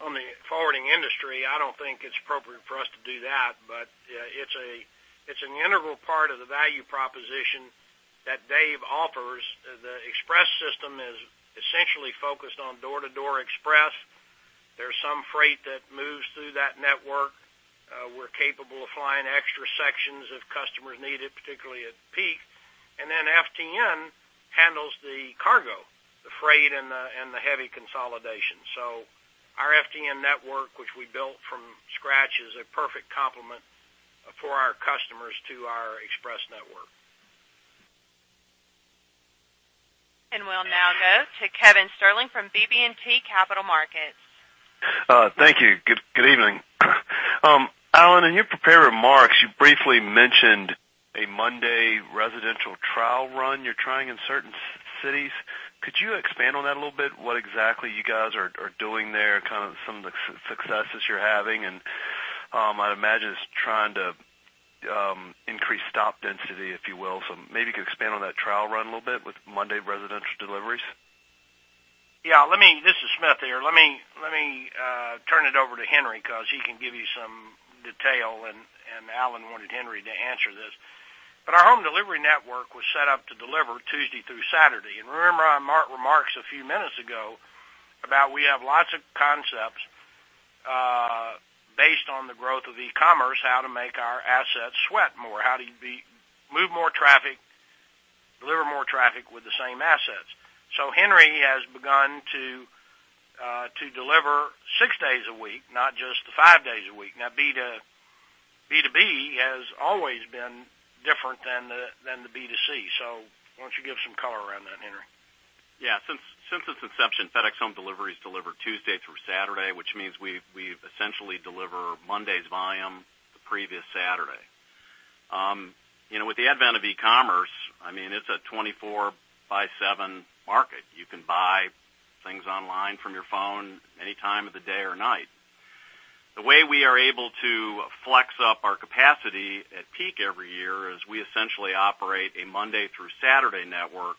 on the forwarding industry. I don't think it's appropriate for us to do that. But it's an integral part of the value proposition that Dave offers. The Express system is essentially focused on door-to-door express. There's some freight that moves through that network. We're capable of flying extra sections if customers need it, particularly at peak. And then FTN handles the cargo, the freight and the heavy consolidation. So our FTN network, which we built from scratch, is a perfect complement for our customers to our Express network. We'll now go to Kevin Sterling from BB&T Capital Markets. Thank you. Good evening, Alan. In your prepared remarks, you briefly mentioned a Monday residential trial run you're trying in certain cities. Could you expand on that a little bit? What exactly you guys are doing there? Kind of some of the successes you're having. I'd imagine it's trying to increase. Stop density, if you will. So maybe you could expand on that. Trial run a little bit with Monday residential deliveries. Yeah, let me. This is Smith here. Let me turn it over to Henry because he can give you some detail. And Alan wanted Henry to answer this, but our home delivery network was set up to deliver Tuesday through Saturday. And remember our remarks a few minutes ago about we have lots of concepts based on the growth of e-commerce, how to make our assets sweat more, how to move more traffic, deliver more traffic with the same assets. So Henry has begun to deliver six days a week, not just the five days a week. Now B2B has always been different than the B2C, so why don't you give some color around that, Henry? Yeah, since its inception, FedEx Home Delivery deliveries deliver Tuesday through Saturday, which means we essentially deliver Monday's volume the previous Saturday. You know, with the advent of e-commerce, I mean, it's a 24 market. You can buy things online from your phone any time of the day or night. The way we are able to flex up our capacity at peak every year is we essentially operate a Monday through Saturday network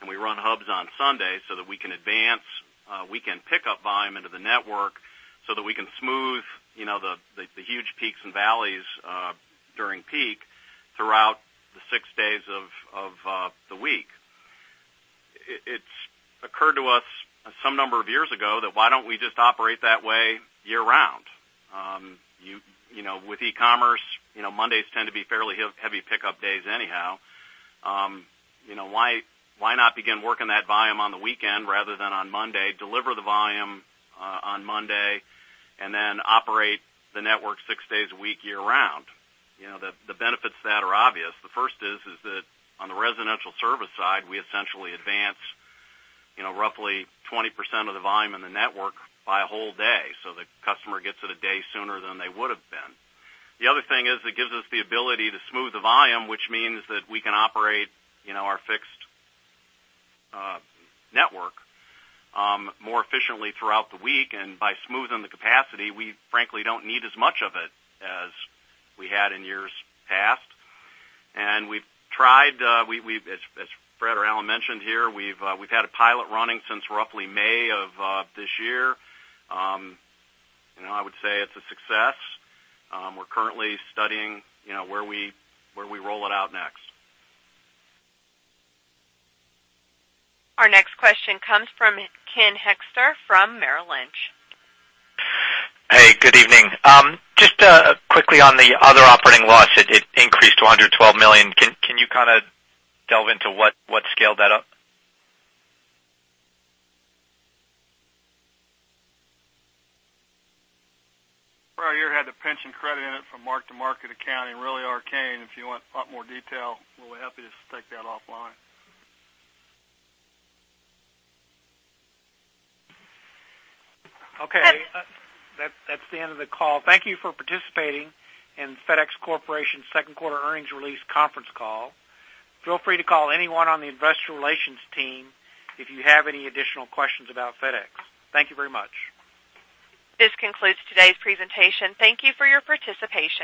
and we run hubs on Sunday so that we can advance weekend pickup volume into the network so that we can smooth, you know, the huge peaks and valleys during peak throughout the six days of the week. It occurred to us some number of years ago that why don't we just operate that way year-round, you know, with e-commerce? You know, Mondays tend to be fairly heavy pickup days anyhow. You know, why not begin working that volume on the weekend rather than on Monday? Deliver the volume on Monday and then operate the network six days a week, year round? You know, the benefits of that are obvious. The first is that on the residential service side, we essentially advance, you know, roughly 20% of the volume in the network by a whole day. So the customer gets it a day sooner than they would have been. The other thing is it gives us the ability to smooth the volume, which means that we can operate, you know, our fixed network more efficiently throughout the week. And by smoothing the capacity, we frankly don't need as much of it as we had in years past. And we've tried, as Fred or Alan mentioned here, we've had a pilot running since roughly May of this year. I would say it's a success. We're currently studying where we roll it out next. Our next question comes from Ken Hoexter from Merrill Lynch. Just quickly on the other operating loss, it increased to $112 million. Can you kind of delve into what scaled that up? Prior year had the pension credit in it from Mark-to-Market accounting, really arcane. If you want a lot more detail, we'll be happy to take that offline. Okay, that's the end of the call. Thank you for participating in FedEx Corporation second quarter earnings release conference call. Feel free to call anyone on the. Investor Relations team, if you have any additional questions about FedEx. Thank you very much. This concludes today's presentation. Thank you for your participation.